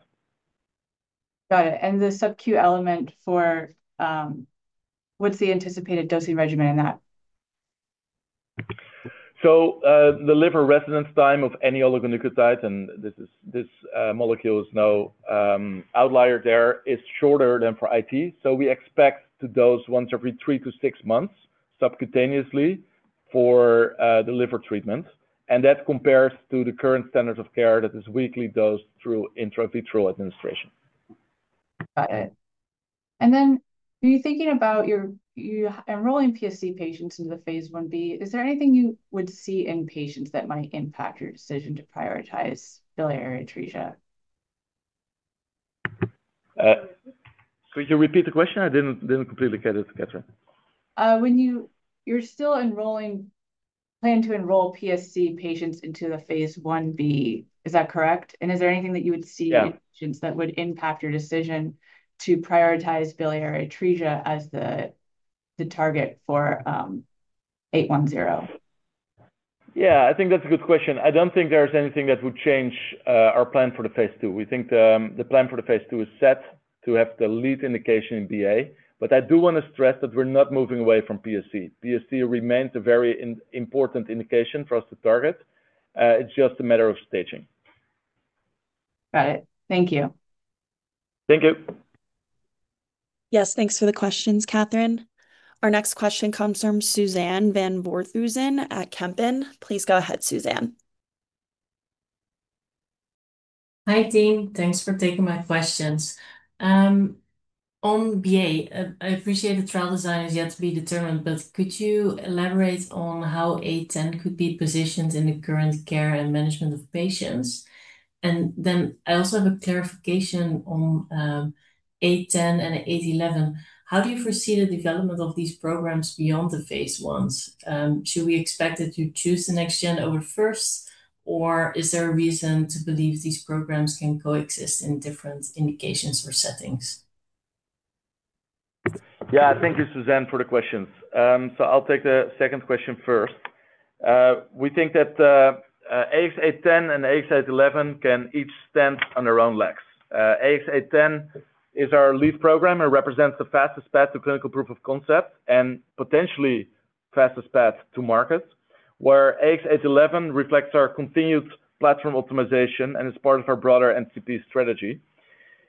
Got it. The sub-Q element for, what's the anticipated dosing regimen in that? The liver residence time of any oligonucleotide, and this molecule is no outlier there, is shorter than for IT. We expect to dose once every three to six months subcutaneously for the liver treatment. That compares to the current standards of care that is weekly dose through intraventricular administration. Got it. Are you thinking about you're enrolling PSC patients into the phase I-B, is there anything you would see in patients that might impact your decision to prioritize biliary atresia? Could you repeat the question? I didn't completely get it, Catherine. You still plan to enroll PSC patients into the phase I-B. Is that correct? Is there anything that you would see- Yeah... in patients that would impact your decision to prioritize biliary atresia as the target for AX-0810? Yeah, I think that's a good question. I don't think there's anything that would change our plan for the phase II. We think the plan for the phase II is set to have the lead indication in BA, but I do want to stress that we're not moving away from PSC. PSC remains a very important indication for us to target. It's just a matter of staging. Got it. Thank you. Thank you. Yes, thanks for the questions, Catherine. Our next question comes from Suzanne van Voorthuizen at Kempen. Please go ahead, Suzanne. Hi, team. Thanks for taking my questions. On BA, I appreciate the trial design is yet to be determined, but could you elaborate on how AX-0810 could be positioned in the current care and management of patients? I also have a clarification on AX-0810 and AX-0811. How do you foresee the development of these programs beyond the phase I's? Should we expect that you choose the next gen over first, or is there a reason to believe these programs can coexist in different indications or settings? Yeah. Thank you, Suzanne, for the questions. I'll take the second question first. We think that AX-0810 and AX-0811 can each stand on their own legs. AX-0810 is our lead program and represents the fastest path to clinical proof of concept and potentially fastest path to market. Where AX-0811 reflects our continued platform optimization and is part of our broader NTCP strategy.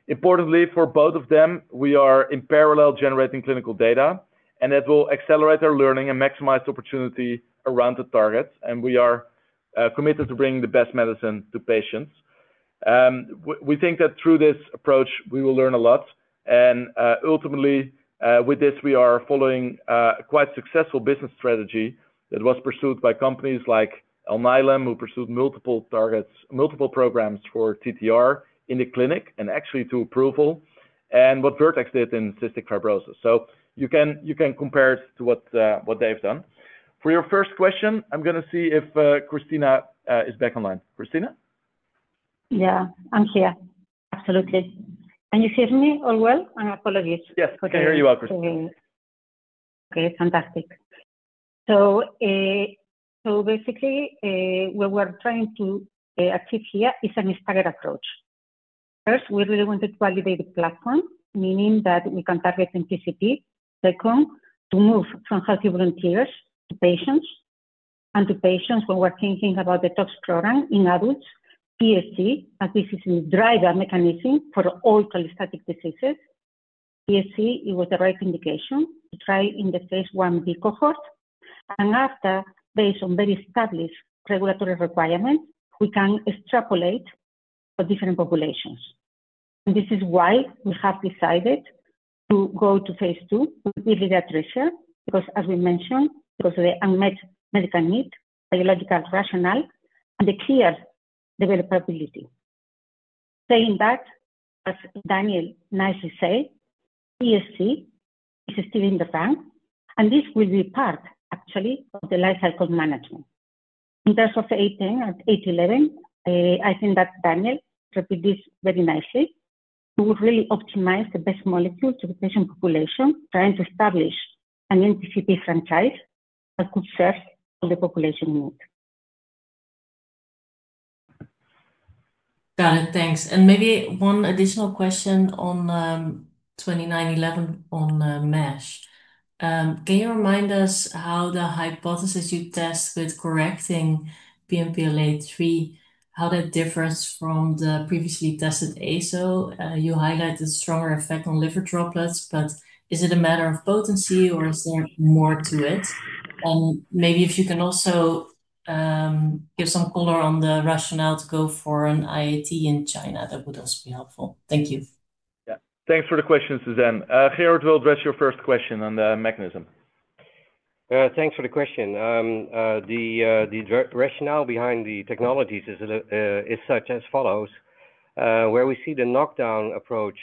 Importantly, for both of them, we are in parallel generating clinical data, and that will accelerate our learning and maximize the opportunity around the targets, and we are committed to bringing the best medicine to patients. We think that through this approach, we will learn a lot, and, ultimately, with this, we are following a quite successful business strategy that was pursued by companies like Alnylam, who pursued multiple programs for TTR in the clinic and actually to approval, and what Vertex did in cystic fibrosis. You can compare it to what they've done. For your first question, I'm going to see if Cristina is back online. Cristina? Yeah. I'm here. Absolutely. Can you hear me all well? Apologies for the Yes. We can hear you well, Cristina. Okay, fantastic. Basically, what we're trying to achieve here is a staggered approach. First, we really want to validate the platform, meaning that we can target NTCP. Second, to move from healthy volunteers to patients, and to patients when we're thinking about the [inaudible] in adults, PSC, as this is a driver mechanism for all cholestatic diseases. PSC, it was the right indication to try in the phase I-B cohort. After, based on very established regulatory requirements, we can extrapolate for different populations. This is why we have decided to go to phase II because of the unmet medical need, biological rationale, and the clear developability. Saying that, as Daniel nicely said, PSC is still in the bank, and this will be part, actually, of the lifecycle management. In terms of the AX-0810 and AX-0811, I think that Daniel put it very nicely. We will really optimize the best molecule to the patient population, trying to establish an NTCP franchise that could serve all the population need. Got it. Thanks. Maybe one additional question on AX-2911 on MASH. Can you remind us how the hypothesis you test with correcting PNPLA3, how that differs from the previously tested ASO? You highlighted the stronger effect on liver droplets, but is it a matter of potency or is there more to it? Maybe if you can also give some color on the rationale to go for an IIT in China, that would also be helpful. Thank you. Yeah, thanks for the question, Suzanne. Gerard will address your first question on the mechanism. Thanks for the question. The rationale behind the technologies is such as follows. Where we see the knockdown approach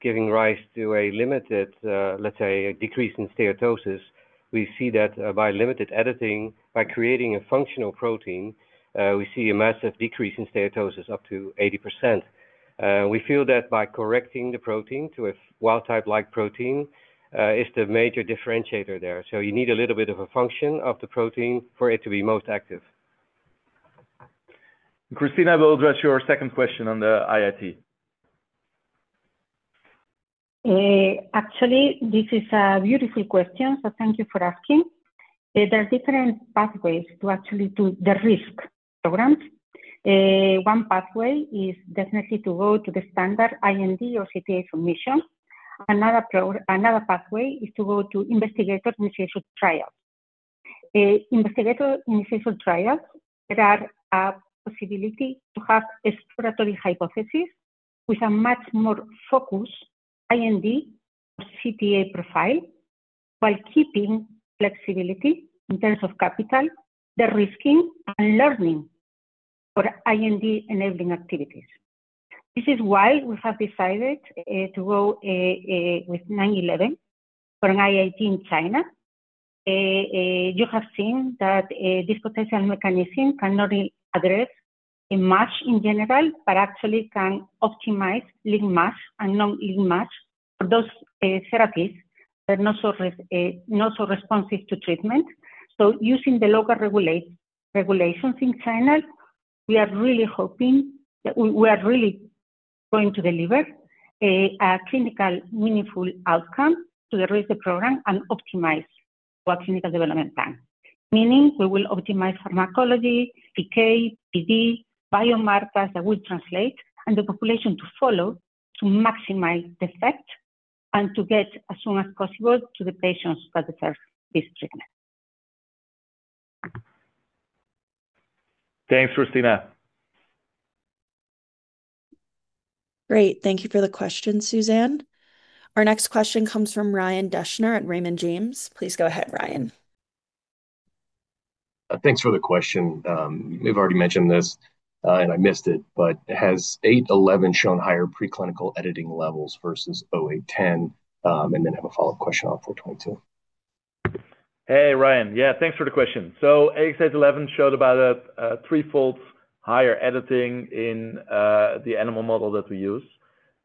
giving rise to a limited, let's say, a decrease in steatosis, we see that by limited editing, by creating a functional protein, we see a massive decrease in steatosis, up to 80%. We feel that by correcting the protein to a wild-type-like protein is the major differentiator there. You need a little bit of a function of the protein for it to be most active. Cristina will address your second question on the IIT. Actually, this is a beautiful question, so thank you for asking. There are different pathways to actually do the risk programs. One pathway is definitely to go to the standard IND or CTA submission. Another pathway is to go to investigator-initiated trial. Investigator-initiated trial, there are a possibility to have exploratory hypothesis with a much more focused IND, or CTA profile while keeping flexibility in terms of capital, the risking and learning for IND-enabling activities. This is why we have decided to go with AX-2911 for an IIT in China. You have seen that this potential mechanism cannot address a MASH in general, but actually can optimize lean MASH and non-lean MASH for those therapies that are not so responsive to treatment. Using the local regulations in China, we are really hoping that we are really going to deliver a clinically meaningful outcome to the Rett program and optimize our clinical development plan, meaning we will optimize pharmacology, PK, PD, biomarkers that will translate, and the population to follow to maximize the effect and to get as soon as possible to the patients that deserve this treatment. Thanks, Cristina. Great. Thank you for the question, Suzanne. Our next question comes from Ryan Deschner at Raymond James. Please go ahead, Ryan. Thanks for the question. You've already mentioned this, and I missed it, but has AX-0811 shown higher preclinical editing levels versus AX-0810? Have a follow-up question on 422. Hey, Ryan. Yeah, thanks for the question. AX-0811 showed about a threefold higher editing in the animal model that we use.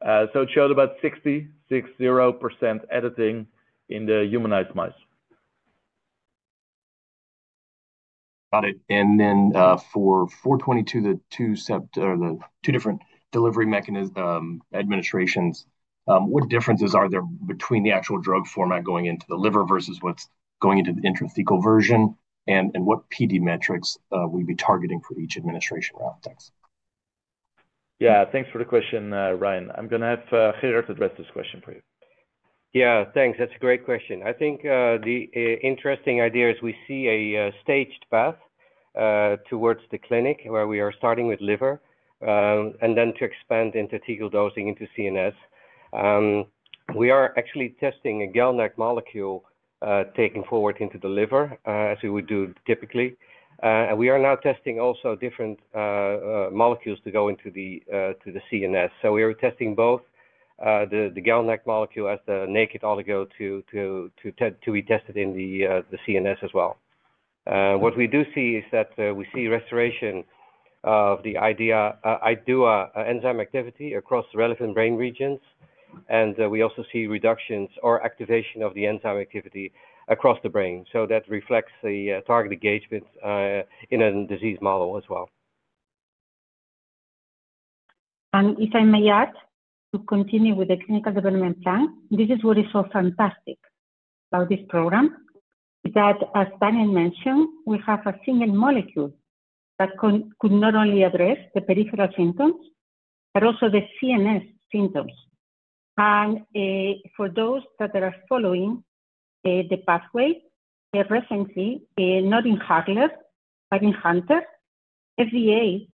It showed about 60% editing in the humanized mice. Got it. For 422, the two different delivery administrations, what differences are there between the actual drug format going into the liver versus what's going into the intrathecal version, and what PD metrics we'd be targeting for each administration route? Thanks. Yeah. Thanks for the question, Ryan. I'm going to have Gerard address this question for you. Yeah. Thanks. That's a great question. I think the interesting idea is we see a staged path towards the clinic where we are starting with liver, and then to expand into intrathecal dosing into CNS. We are actually testing a GalNAc molecule taking forward into the liver, as we would do typically. We are now testing also different molecules to go into the CNS. We are testing both the GalNAc molecule as the naked oligo to be tested in the CNS as well. What we do see is that we see restoration of the IDUA enzyme activity across relevant brain regions. We also see reductions or activation of the enzyme activity across the brain. That reflects the target engagement in a disease model as well. If I may add, to continue with the clinical development plan, this is what is so fantastic about this program. That, as Daniel mentioned, we have a single molecule that could not only address the peripheral symptoms, but also the CNS symptoms. For those that are following the pathway, recently, not in Hurler, but in Hunter, FDA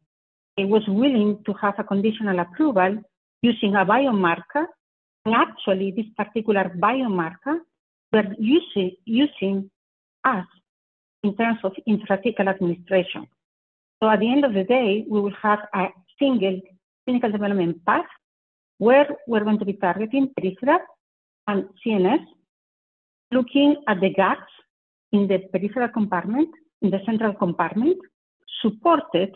was willing to have a conditional approval using a biomarker. Actually, this particular biomarker we are using is in terms of intrathecal administration. At the end of the day, we will have a single clinical development path where we're going to be targeting peripheral and CNS, looking at the gaps in the peripheral compartment, in the central compartment, supported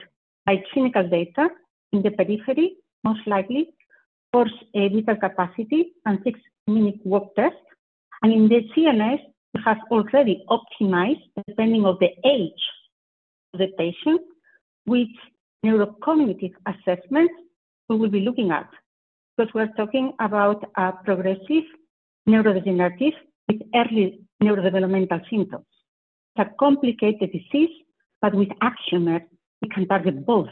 by clinical data in the periphery, most likely for a vital capacity and six-minute walk test. In the CNS, we have already optimized, depending on the age of the patient, which neurocognitive assessments we will be looking at. Because we are talking about a progressive neurodegenerative disease with early neurodevelopmental symptoms. It's a complicated disease, but with Axiomer, we can target both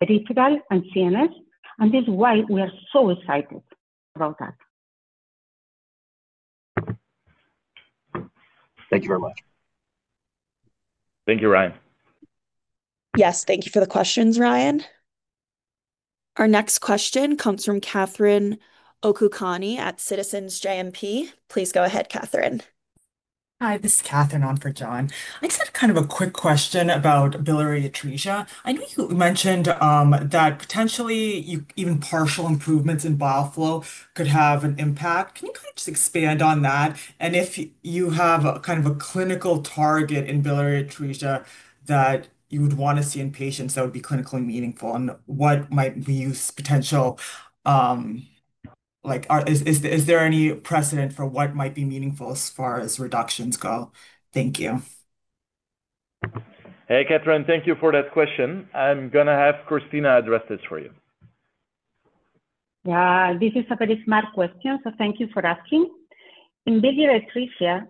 peripheral and CNS, and this is why we are so excited about that. Thank you very much. Thank you, Ryan. Yes. Thank you for the questions, Ryan. Our next question comes from Katherine Okukani at Citizens JMP. Please go ahead, Katherine. Hi, this is Katherine on for John. I just had kind of a quick question about biliary atresia. I know you mentioned that potentially even partial improvements in bile flow could have an impact. Can you just expand on that? If you have a clinical target in biliary atresia that you would want to see in patients that would be clinically meaningful and what might be upside potential. Is there any precedent for what might be meaningful as far as reductions go? Thank you. Hey, Katherine. Thank you for that question. I'm going to have Cristina address this for you. Yeah, this is a very smart question, so thank you for asking. In biliary atresia,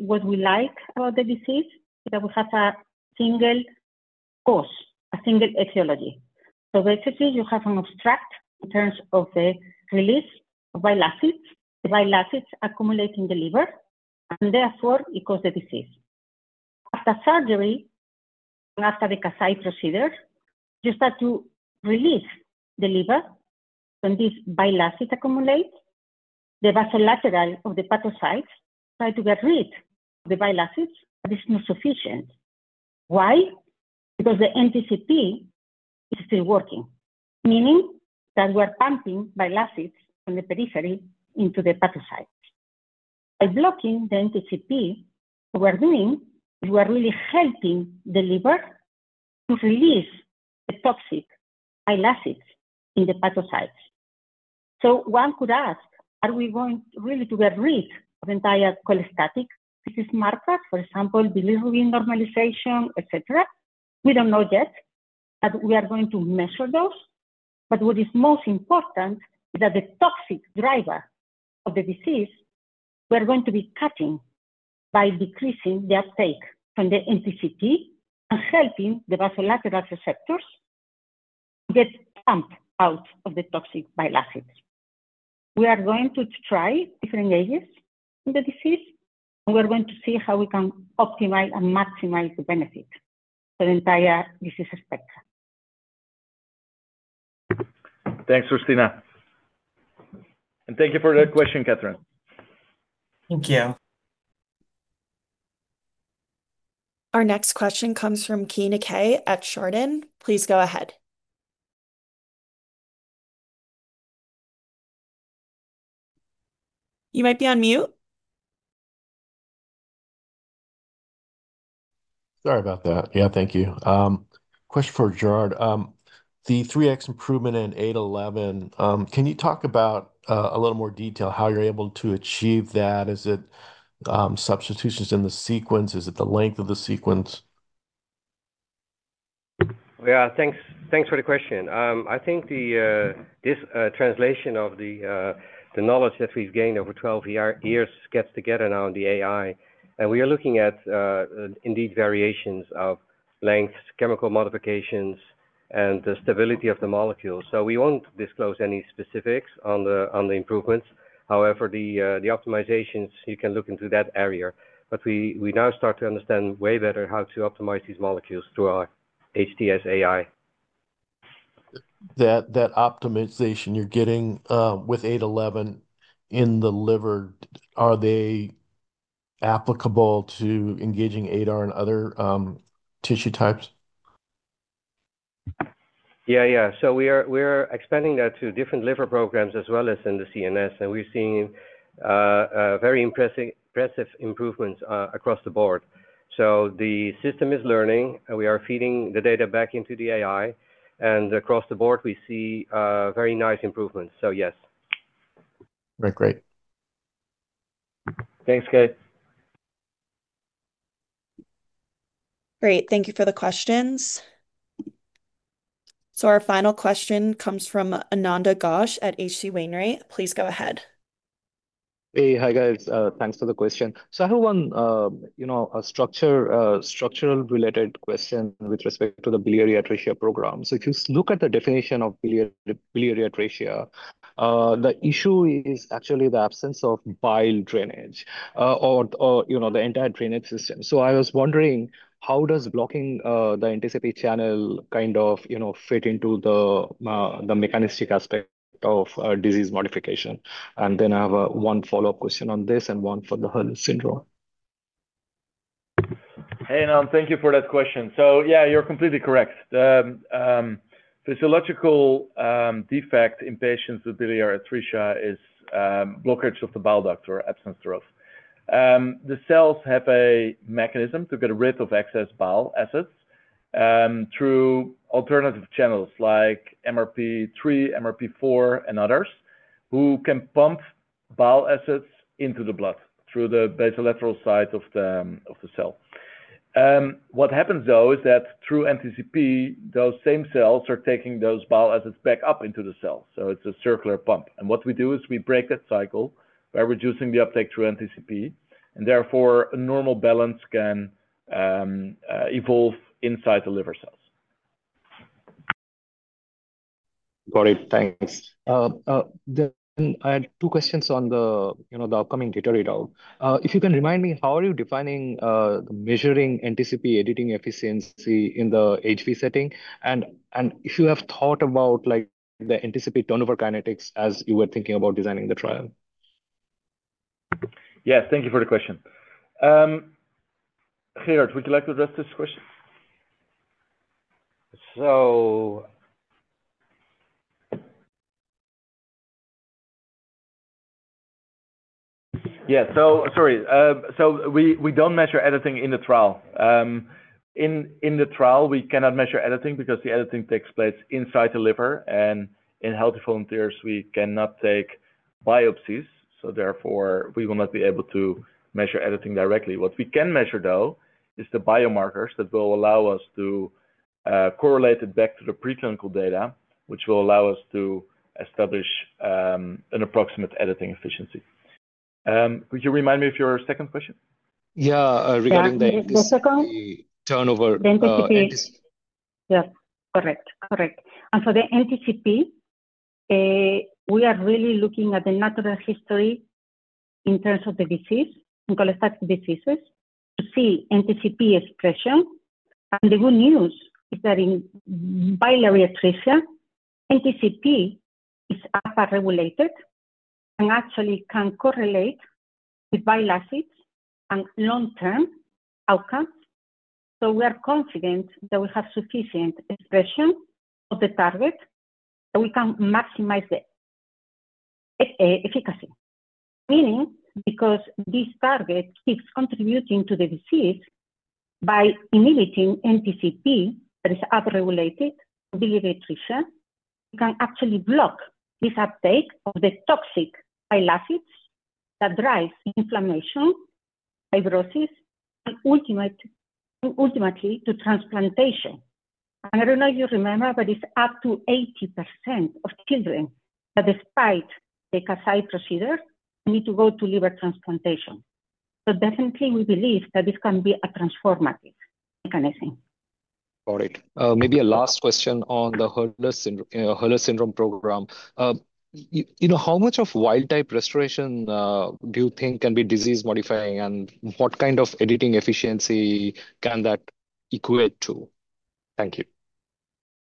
what we like about the disease is that we have a single cause, a single etiology. Basically, you have an obstruction in terms of the release of bile acids, the bile acids accumulate in the liver, and therefore it cause the disease. After surgery, and after the Kasai procedure, you start to relieve the liver. When these bile acids accumulate, the basolateral of the hepatocytes try to get rid of the bile acids, but it's not sufficient. Why? Because the NTCP is still working, meaning that we're pumping bile acids from the periphery into the hepatocyte. By blocking the NTCP, what we're doing is we're really helping the liver to release the toxic bile acids in the hepatocytes. One could ask, are we going really to get rid of entire cholestatic disease markers, for example, bilirubin normalization, et cetera? We don't know yet, but we are going to measure those. What is most important is that the toxic driver of the disease, we're going to be cutting by decreasing the uptake from the NTCP and helping the basolateral receptors get pumped out of the toxic bile acids. We are going to try different ages in the disease, and we are going to see how we can optimize and maximize the benefit for the entire disease aspect. Thanks, Cristina. Thank you for that question, Katherine. Thank you. Our next question comes from Keay Nakae at Chardan. Please go ahead. You might be on mute. Sorry about that. Yeah, thank you. Question for Gerard. The three x improvement in AX-0811, can you talk about a little more detail how you're able to achieve that? Is it substitutions in the sequence? Is it the length of the sequence? Yeah, thanks for the question. I think this translation of the knowledge that we've gained over 12 years gets together now in the AI. We are looking at indeed variations of lengths, chemical modifications, and the stability of the molecule. We won't disclose any specifics on the improvements. However, the optimizations, you can look into that area. We now start to understand way better how to optimize these molecules through our HTS AI. That optimization you're getting with AX-0811 in the liver, are they applicable to engaging ADAR in other tissue types? Yeah. We are expanding that to different liver programs as well as in the CNS, and we're seeing very impressive improvements across the board. The system is learning, and we are feeding the data back into the AI, and across the board, we see very nice improvements. Yes. Very great. Thanks, guys. Great. Thank you for the questions. Our final question comes from Ananda Ghosh at H.C. Wainwright. Please go ahead. Hey. Hi, guys. Thanks for the question. I have one structural-related question with respect to the biliary atresia program. If you look at the definition of biliary atresia, the issue is actually the absence of bile drainage or the entire drainage system. I was wondering, how does blocking the NTCP channel kind of fit into the mechanistic aspect of disease modification? And then I have one follow-up question on this and one for the Hurler syndrome. Hey, Ananda. Thank you for that question. Yeah, you're completely correct. The physiological defect in patients with biliary atresia is blockage of the bile duct or absence thereof. The cells have a mechanism to get rid of excess bile acids through alternative channels like MRP3, MRP4, and others, who can pump bile acids into the blood through the basolateral side of the cell. What happens, though, is that through NTCP, those same cells are taking those bile acids back up into the cell, so it's a circular pump, and what we do is we break that cycle by reducing the uptake through NTCP, and therefore a normal balance can evolve inside the liver cells. Got it. Thanks. I had two questions on the upcoming data readout. If you can remind me, how are you defining measuring NTCP editing efficiency in the HV setting and if you have thought about the NTCP turnover kinetics as you were thinking about designing the trial? Yes. Thank you for the question. Gerard, would you like to address this question? Yeah. Sorry. We don't measure editing in the trial. In the trial, we cannot measure editing because the editing takes place inside the liver, and in healthy volunteers, we cannot take biopsies, so therefore, we will not be able to measure editing directly. What we can measure, though, is the biomarkers that will allow us to correlate it back to the preclinical data, which will allow us to establish an approximate editing efficiency. Would you remind me of your second question? Yeah. Regarding the.. Yeah. Regarding the second? turnover NTCP. Yes. Correct. For the NTCP, we are really looking at the natural history in terms of the disease, cholestatic diseases, to see NTCP expression. The good news is that in biliary atresia, NTCP is upregulated and actually can correlate with bile acids and long-term outcomes. We are confident that we have sufficient expression of the target, and we can maximize the efficacy, meaning because this target is contributing to the disease by inhibiting NTCP, that is upregulated in biliary atresia, we can actually block this uptake of the toxic bile acids that drive inflammation, fibrosis, and ultimately to transplantation. I don't know if you remember, but it's up to 80% of children that despite the Kasai procedure, need to go to liver transplantation. Definitely, we believe that this can be a transformative mechanism. All right. Maybe a last question on the Hurler syndrome program. How much of wild-type restoration do you think can be disease-modifying, and what kind of editing efficiency can that equate to? Thank you.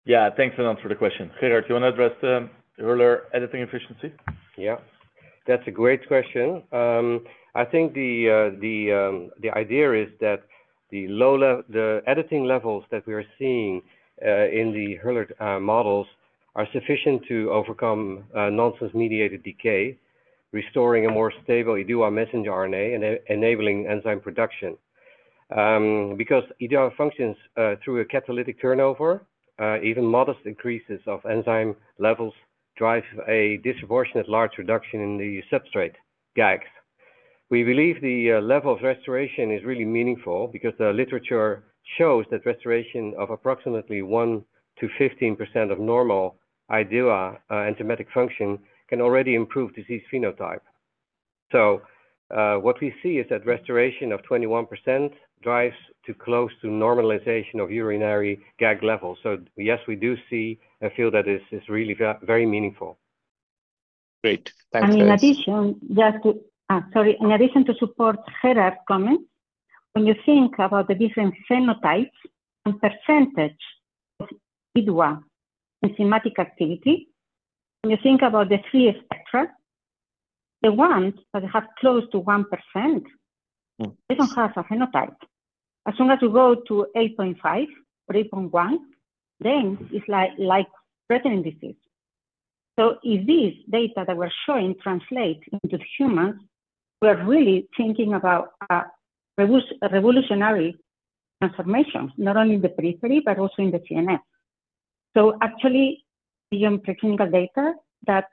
Yeah. Thanks, Ananda, for the question. Gerard, do you want to address Hurler editing efficiency? Yeah. That's a great question. I think the idea is that the editing levels that we are seeing in the Hurler models are sufficient to overcome nonsense-mediated decay, restoring a more stable IDUA messenger RNA and enabling enzyme production. Because IDUA functions through a catalytic turnover, even modest increases of enzyme levels drive a disproportionate large reduction in the substrate GAGs. We believe the level of restoration is really meaningful, because the literature shows that restoration of approximately 1%-15% of normal IDUA enzymatic function can already improve disease phenotype. What we see is that restoration of 21% drives to close to normalization of urinary GAG levels. Yes, we do see a field that is really very meaningful. Great. Thanks, guys. In addition to support Gerard's comments, when you think about the different phenotypes and percentage of IDUA enzymatic activity, when you think about the three spectra, the ones that have close to 1%, they don't have a phenotype. As soon as you go to 8.5 or 8.1, then it's like Brethren disease. If this data that we're showing translates into humans, we are really thinking about a revolutionary transformation, not only in the periphery but also in the CNS. Actually, beyond preclinical data that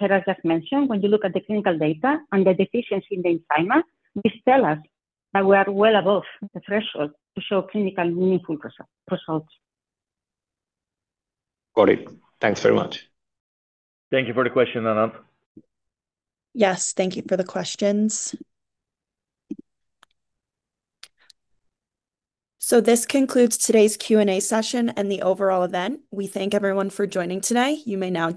Gerard just mentioned, when you look at the clinical data and the deficiency in the enzyme, this tell us that we are well above the threshold to show clinical meaningful results. Got it. Thanks very much. Thank you for the question, Ananda. Yes. Thank you for the questions. This concludes today's Q&A session and the overall event. We thank everyone for joining tonight. You may now